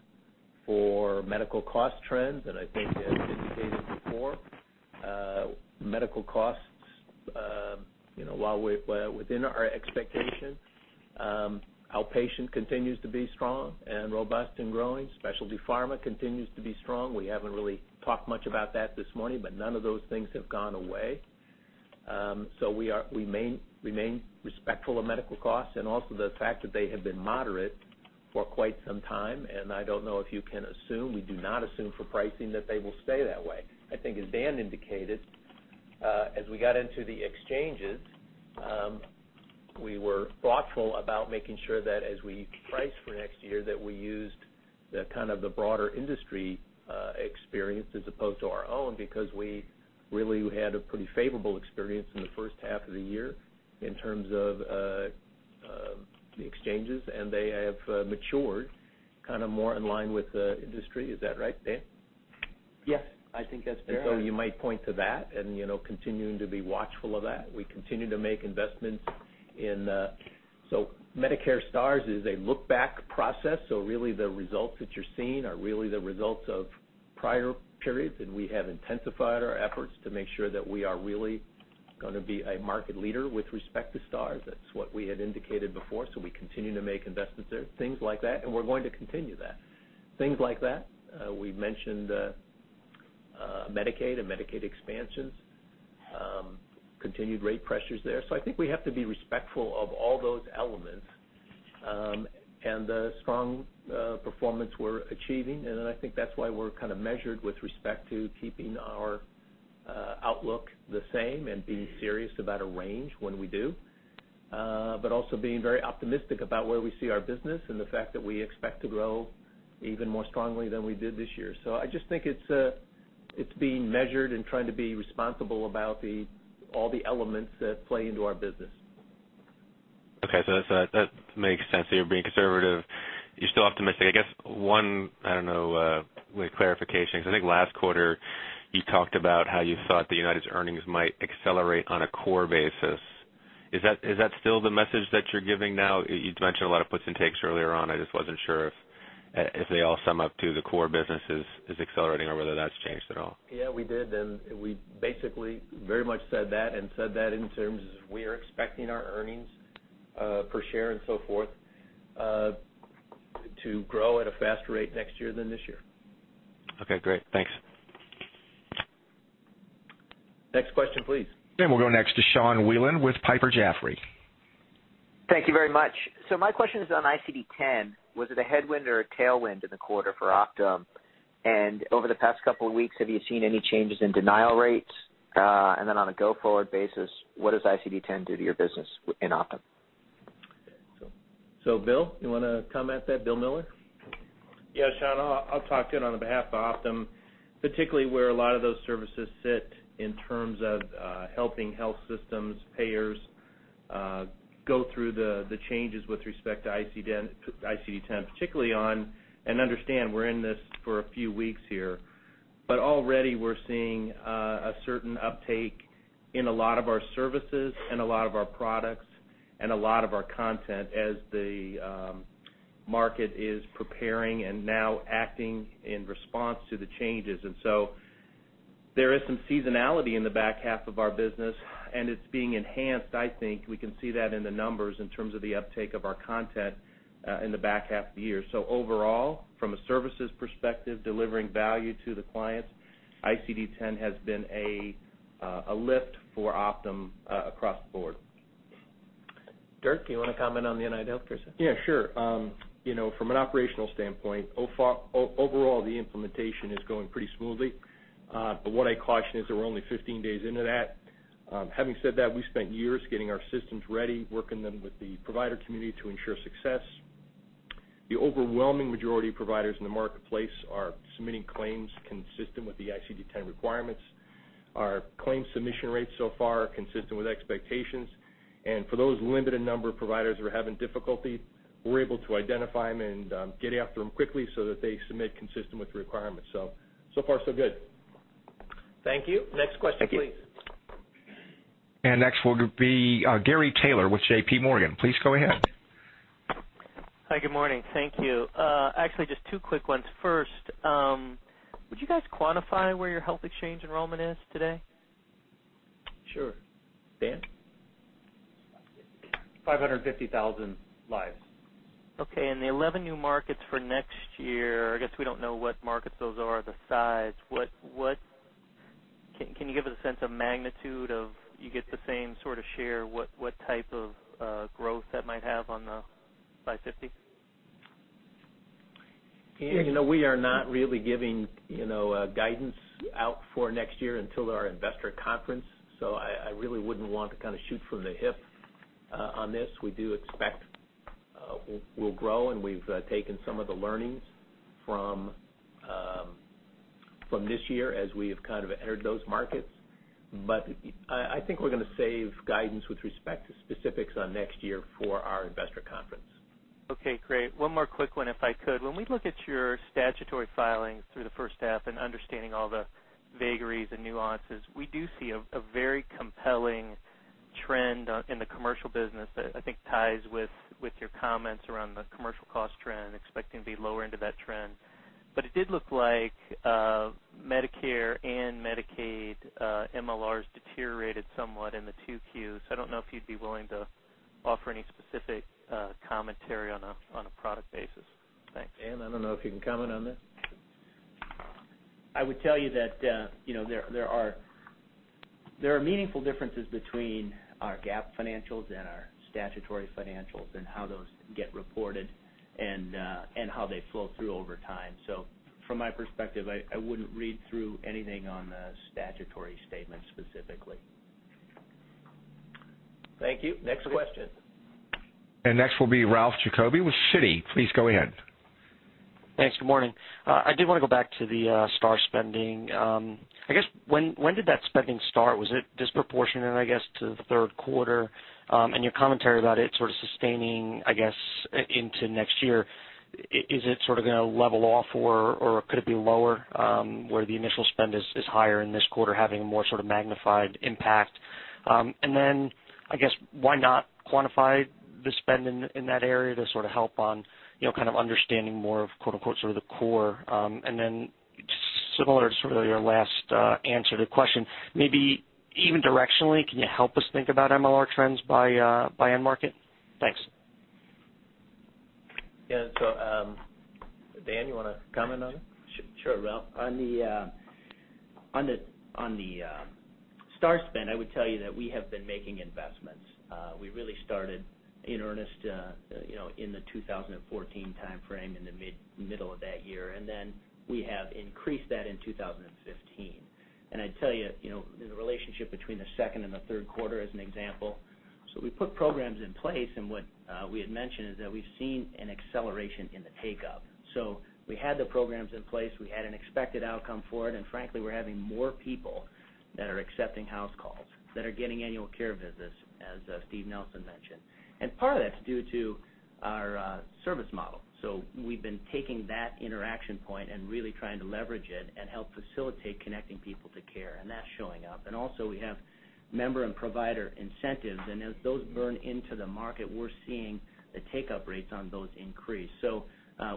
for medical cost trends. I think as indicated before, medical costs, while within our expectations, outpatient continues to be strong and robust and growing. Specialty pharma continues to be strong. We haven't really talked much about that this morning, but none of those things have gone away. We remain respectful of medical costs. Also the fact that they have been moderate For quite some time, I don't know if you can assume, we do not assume for pricing that they will stay that way. I think as Dan indicated, as we got into the exchanges, we were thoughtful about making sure that as we price for next year, that we used the broader industry experience as opposed to our own, we really had a pretty favorable experience in the first half of the year in terms of the exchanges, and they have matured more in line with the industry. Is that right, Dan? Yes. I think that's fair. You might point to that and continuing to be watchful of that. We continue to make investments in Medicare Stars is a look-back process, so really the results that you're seeing are really the results of prior periods, and we have intensified our efforts to make sure that we are really going to be a market leader with respect to Stars. That's what we had indicated before. We continue to make investments there, things like that, and we're going to continue that. Things like that. We mentioned Medicaid and Medicaid expansions, continued rate pressures there. I think we have to be respectful of all those elements, and the strong performance we're achieving, I think that's why we're kind of measured with respect to keeping our outlook the same and being serious about a range when we do. Also being very optimistic about where we see our business and the fact that we expect to grow even more strongly than we did this year. I just think it's being measured and trying to be responsible about all the elements that play into our business. Okay. That makes sense. You're being conservative. You're still optimistic. I guess one clarification, because I think last quarter you talked about how you thought the United's earnings might accelerate on a core basis. Is that still the message that you're giving now? You mentioned a lot of puts and takes earlier on. I just wasn't sure if they all sum up to the core business is accelerating or whether that's changed at all. Yeah, we did. We basically very much said that and said that in terms of we are expecting our earnings per share and so forth to grow at a faster rate next year than this year. Okay, great. Thanks. Next question, please. We'll go next to Sean Wieland with Piper Jaffray. Thank you very much. My question is on ICD-10. Was it a headwind or a tailwind in the quarter for Optum? Over the past couple of weeks, have you seen any changes in denial rates? On a go-forward basis, what does ICD-10 do to your business in Optum? Bill, you want to comment that, Bill Miller? Yeah, Sean, I'll talk to it on behalf of Optum, particularly where a lot of those services sit in terms of helping health systems, payers go through the changes with respect to ICD-10, particularly on, and understand we're in this for a few weeks here, but already we're seeing a certain uptake in a lot of our services and a lot of our products and a lot of our content as the market is preparing and now acting in response to the changes. There is some seasonality in the back half of our business, and it's being enhanced, I think. We can see that in the numbers in terms of the uptake of our content in the back half of the year. Overall, from a services perspective, delivering value to the clients, ICD-10 has been a lift for Optum across the board. Dirk, do you want to comment on the UnitedHealthcare side? Yeah, sure. From an operational standpoint, overall the implementation is going pretty smoothly. What I caution is that we're only 15 days into that. Having said that, we've spent years getting our systems ready, working them with the provider community to ensure success. The overwhelming majority of providers in the marketplace are submitting claims consistent with the ICD-10 requirements. Our claims submission rates so far are consistent with expectations. For those limited number of providers who are having difficulty, we're able to identify them and get after them quickly so that they submit consistent with the requirements. So far so good. Thank you. Next question, please. Next will be Gary Taylor with J.P. Morgan. Please go ahead. Hi, good morning. Thank you. Actually, just two quick ones. First, would you guys quantify where your health exchange enrollment is today? Sure. Dan? 550,000 lives. Okay, the 11 new markets for next year, I guess we don't know what markets those are, the size. Can you give us a sense of magnitude of, you get the same sort of share, what type of growth that might have on the 550,000? We are not really giving guidance out for next year until our investor conference. I really wouldn't want to shoot from the hip on this. We do expect we'll grow, and we've taken some of the learnings from this year as we have entered those markets. I think we're going to save guidance with respect to specifics on next year for our investor conference. Okay, great. One more quick one if I could. We look at your statutory filings through the first half and understanding all the vagaries and nuances, we do see a very compelling trend in the commercial business that I think ties with your comments around the commercial cost trend, expecting to be lower into that trend. It did look like Medicare and Medicaid MLRs deteriorated somewhat in the 2 Qs. I don't know if you'd be willing to offer any specific commentary on a product basis. Thanks. Dan, I don't know if you can comment on that. I would tell you that there are meaningful differences between our GAAP financials and our statutory financials and how those get reported and how they flow through over time. From my perspective, I wouldn't read through anything on the statutory statements specifically. Thank you. Next question. Next will be Ralph Giacobbe with Citi. Please go ahead. Thanks. Good morning. I did want to go back to the Star spending. When did that spending start? Was it disproportionate to the third quarter? Your commentary about it sort of sustaining into next year, is it going to level off, or could it be lower where the initial spend is higher in this quarter, having a more sort of magnified impact? Why not quantify the spend in that area to sort of help on understanding more of quote-unquote the core? Similar to your last answer to the question, maybe even directionally, can you help us think about MLR trends by end market? Thanks. Dan, you want to comment on it? Sure, Ralph. On the Star spend, I would tell you that we have been making investments. We really started in earnest in the 2014 timeframe in the middle of that year, we have increased that in 2015. I'd tell you, the relationship between the second and the third quarter as an example. We put programs in place, what we had mentioned is that we've seen an acceleration in the take-up. We had the programs in place, we had an expected outcome for it, frankly, we're having more people that are accepting house calls, that are getting annual care visits, as Steve Nelson mentioned. Part of that's due to our service model. We've been taking that interaction point and really trying to leverage it and help facilitate connecting people to care, that's showing up. Also we have member and provider incentives, as those burn into the market, we're seeing the take-up rates on those increase.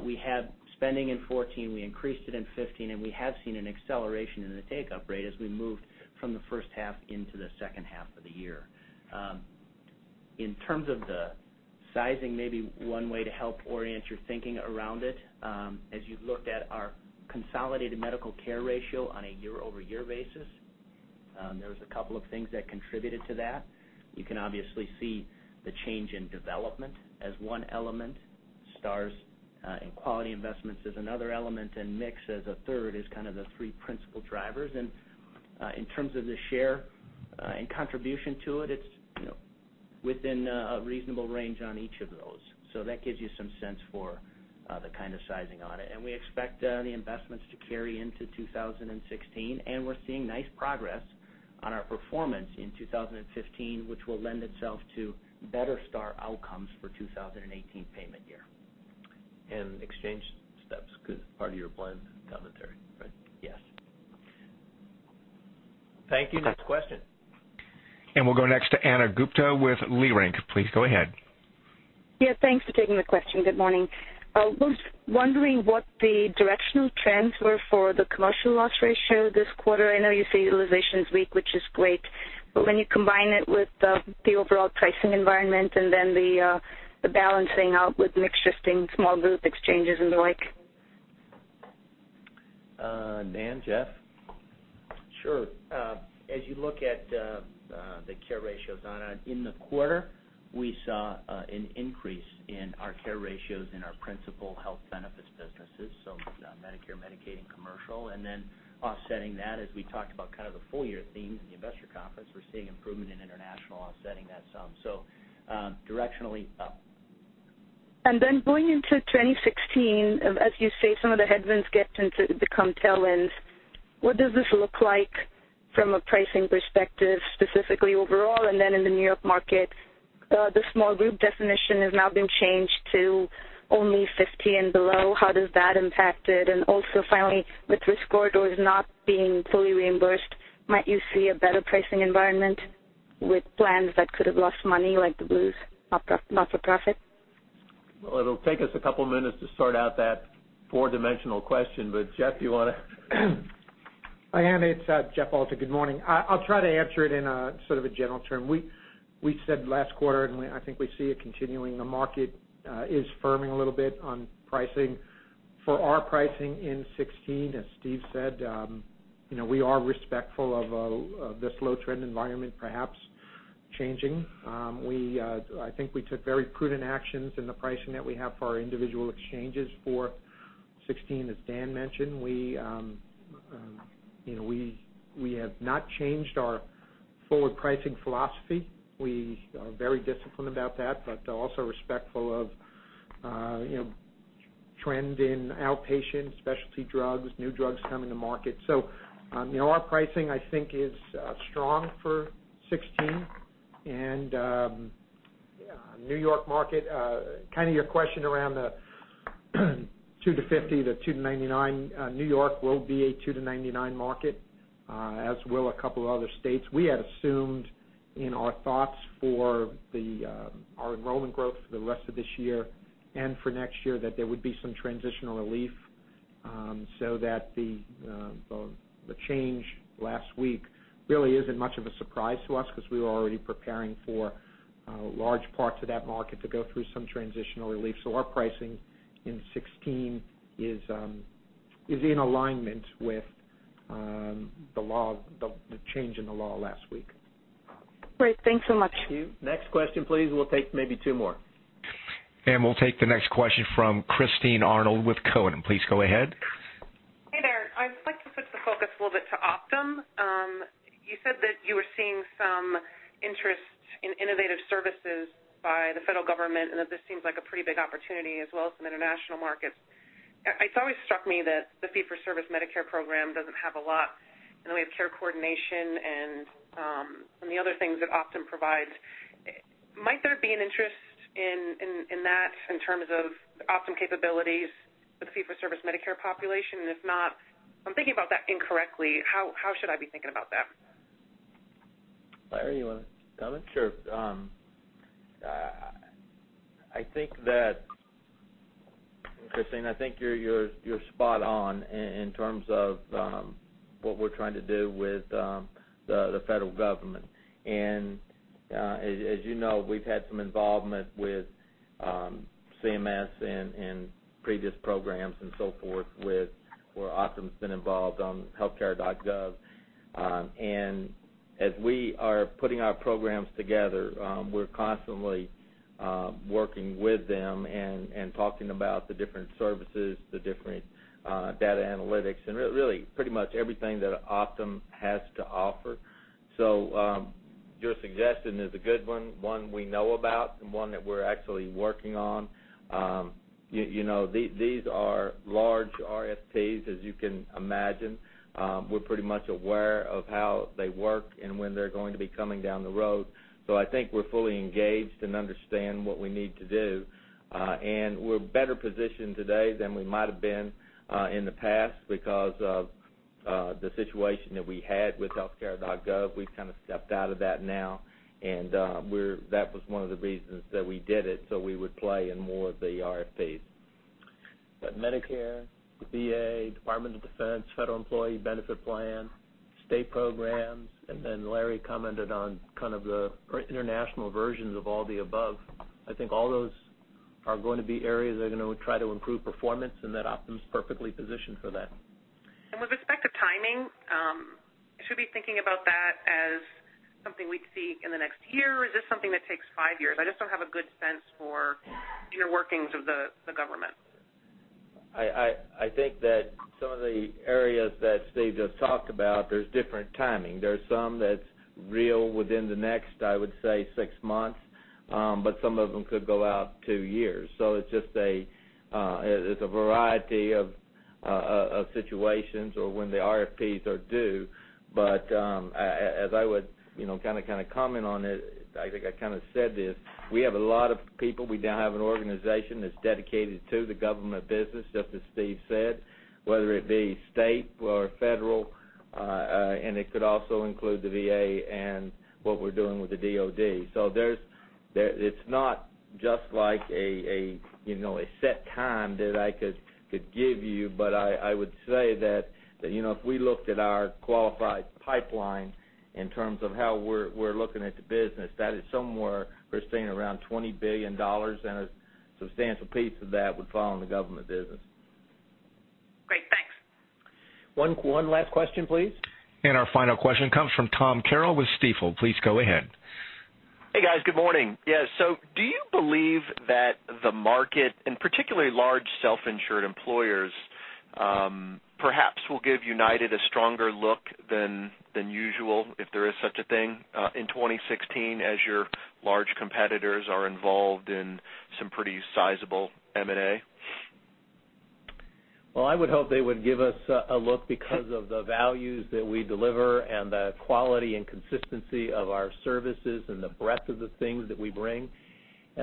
We had spending in 2014, we increased it in 2015, we have seen an acceleration in the take-up rate as we moved from the first half into the second half of the year. In terms of the sizing, maybe one way to help orient your thinking around it, as you've looked at our consolidated medical care ratio on a year-over-year basis, there was a couple of things that contributed to that. You can obviously see the change in development as one element. Stars and quality investments is another element, mix as a third is kind of the three principal drivers. In terms of the share and contribution to it's within a reasonable range on each of those. That gives you some sense for the kind of sizing on it. We expect the investments to carry into 2016, we're seeing nice progress on our performance in 2015, which will lend itself to better Star outcomes for 2018 payment year. Exchange steps could be part of your blend commentary, right? Yes. Thank you. Next question. We'll go next to Ana Gupte with Leerink. Please go ahead. Thanks for taking the question. Good morning. I was wondering what the directional trends were for the commercial loss ratio this quarter. I know you say utilization is weak, which is great, but when you combine it with the overall pricing environment and then the balancing out with mix shifting, small group exchanges, and the like. Daniel Schumacher? Jeff Alter? Sure. As you look at the care ratios, Ana, in the quarter, we saw an increase in our care ratios in our principal health benefits businesses, so Medicare, Medicaid, and commercial. Offsetting that, as we talked about kind of the full-year themes in the investor conference, we're seeing improvement in international offsetting that sum. Directionally up. Going into 2016, as you say, some of the headwinds get into become tailwinds. What does this look like from a pricing perspective, specifically overall? In the New York market, the small group definition has now been changed to only 50 and below. How does that impact it? Finally, with risk corridors not being fully reimbursed, might you see a better pricing environment with plans that could have lost money like the Blues not-for-profit? Well, it'll take us a couple minutes to sort out that four-dimensional question, but Jeff, you want to? Hi, Ana. It's Jeff Alter. Good morning. I'll try to answer it in a sort of a general term. We said last quarter, I think we see it continuing, the market is firming a little bit on pricing. For our pricing in 2016, as Steve said, we are respectful of the slow trend environment perhaps changing. I think we took very prudent actions in the pricing that we have for our individual exchanges for 2016. As Dan mentioned, we have not changed our forward pricing philosophy. We are very disciplined about that, but also respectful of trend in outpatient specialty drugs, new drugs coming to market. Our pricing I think is strong for 2016. New York market, your question around the 2-50, the 2-99. New York will be a 2-99 market, as will a couple of other states. We had assumed in our thoughts for our enrollment growth for the rest of this year and for next year that there would be some transitional relief. The change last week really isn't much of a surprise to us because we were already preparing for large parts of that market to go through some transitional relief. Our pricing in 2016 is in alignment with the change in the law last week. Great. Thanks so much. Thank you. Next question, please. We'll take maybe two more. We'll take the next question from Christine Arnold with Cowen. Please go ahead. Hey there. I'd like to switch the focus a little bit to Optum. You said that you were seeing some interest in innovative services by the federal government, that this seems like a pretty big opportunity as well as some international markets. It's always struck me that the fee-for-service Medicare program doesn't have a lot in the way of care coordination and some of the other things that Optum provides. Might there be an interest in that in terms of Optum capabilities with the fee-for-service Medicare population? If not, I'm thinking about that incorrectly. How should I be thinking about that? Larry, you want to comment? Sure. Christine, I think you're spot on in terms of what we're trying to do with the federal government. As you know, we've had some involvement with CMS in previous programs and so forth where Optum's been involved on healthcare.gov. As we are putting our programs together, we're constantly working with them and talking about the different services, the different data analytics, and really pretty much everything that Optum has to offer. Your suggestion is a good one we know about, and one that we're actually working on. These are large RFPs, as you can imagine. We're pretty much aware of how they work and when they're going to be coming down the road. I think we're fully engaged and understand what we need to do. We're better positioned today than we might have been in the past because of the situation that we had with healthcare.gov. We've kind of stepped out of that now, and that was one of the reasons that we did it, so we would play in more of the RFPs. Medicare, the VA, Department of Defense, Federal Employee Benefit Plan, state programs, and then Larry commented on kind of the international versions of all the above. I think all those are going to be areas that are going to try to improve performance and that Optum's perfectly positioned for that. With respect to timing, should we thinking about that as something we'd see in the next year? Or is this something that takes five years? I just don't have a good sense for your workings with the government. I think that some of the areas that Steve just talked about, there's different timing. There's some that's real within the next, I would say, six months. Some of them could go out two years. It's a variety of situations or when the RFPs are due. As I would kind of comment on it, I think I kind of said this, we have a lot of people. We now have an organization that's dedicated to the government business, just as Steve said, whether it be state or federal, and it could also include the VA and what we're doing with the DoD. It's not just like a set time that I could give you, but I would say that if we looked at our qualified pipeline in terms of how we're looking at the business, that is somewhere we're seeing around $20 billion, and a substantial piece of that would fall in the government business. Great. Thanks. One last question, please. Our final question comes from Tom Carroll with Stifel. Please go ahead. Hey, guys. Good morning. Yeah, do you believe that the market, and particularly large self-insured employers, perhaps will give United a stronger look than usual, if there is such a thing, in 2016 as your large competitors are involved in some pretty sizable M&A? Well, I would hope they would give us a look because of the values that we deliver and the quality and consistency of our services and the breadth of the things that we bring.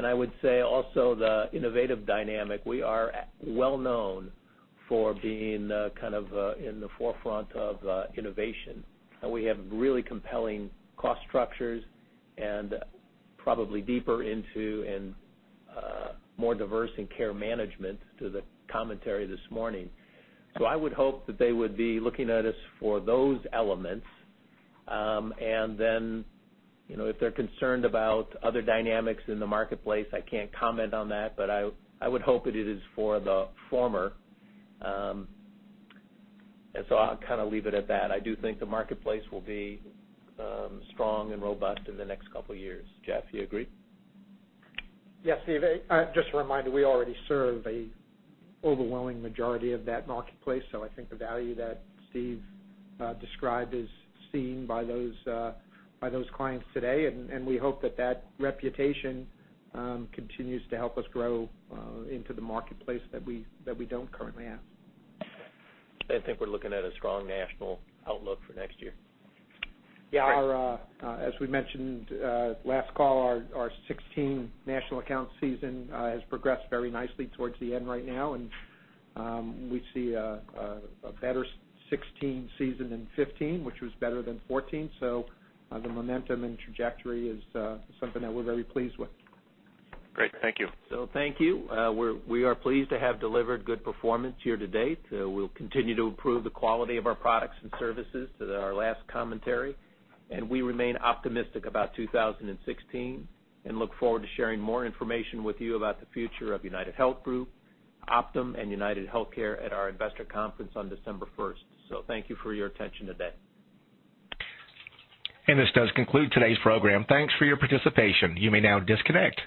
I would say also the innovative dynamic. We are well known for being kind of in the forefront of innovation. We have really compelling cost structures and probably deeper into and more diverse in care management to the commentary this morning. I would hope that they would be looking at us for those elements. If they're concerned about other dynamics in the marketplace, I can't comment on that, but I would hope that it is for the former. I'll kind of leave it at that. I do think the marketplace will be strong and robust in the next couple of years. Jeff, you agree? Yes, Steve. Just a reminder, we already serve a overwhelming majority of that marketplace. I think the value that Steve described is seen by those clients today, and we hope that that reputation continues to help us grow into the marketplace that we don't currently have. I think we're looking at a strong national outlook for next year. Yeah. As we mentioned last call, our 2016 national account season has progressed very nicely towards the end right now, and we see a better 2016 season than 2015, which was better than 2014. The momentum and trajectory is something that we're very pleased with. Great. Thank you. Thank you. We are pleased to have delivered good performance year-to-date. We'll continue to improve the quality of our products and services to our last commentary, and we remain optimistic about 2016 and look forward to sharing more information with you about the future of UnitedHealth Group, Optum, and UnitedHealthcare at our investor conference on December 1st. Thank you for your attention today. This does conclude today's program. Thanks for your participation. You may now disconnect.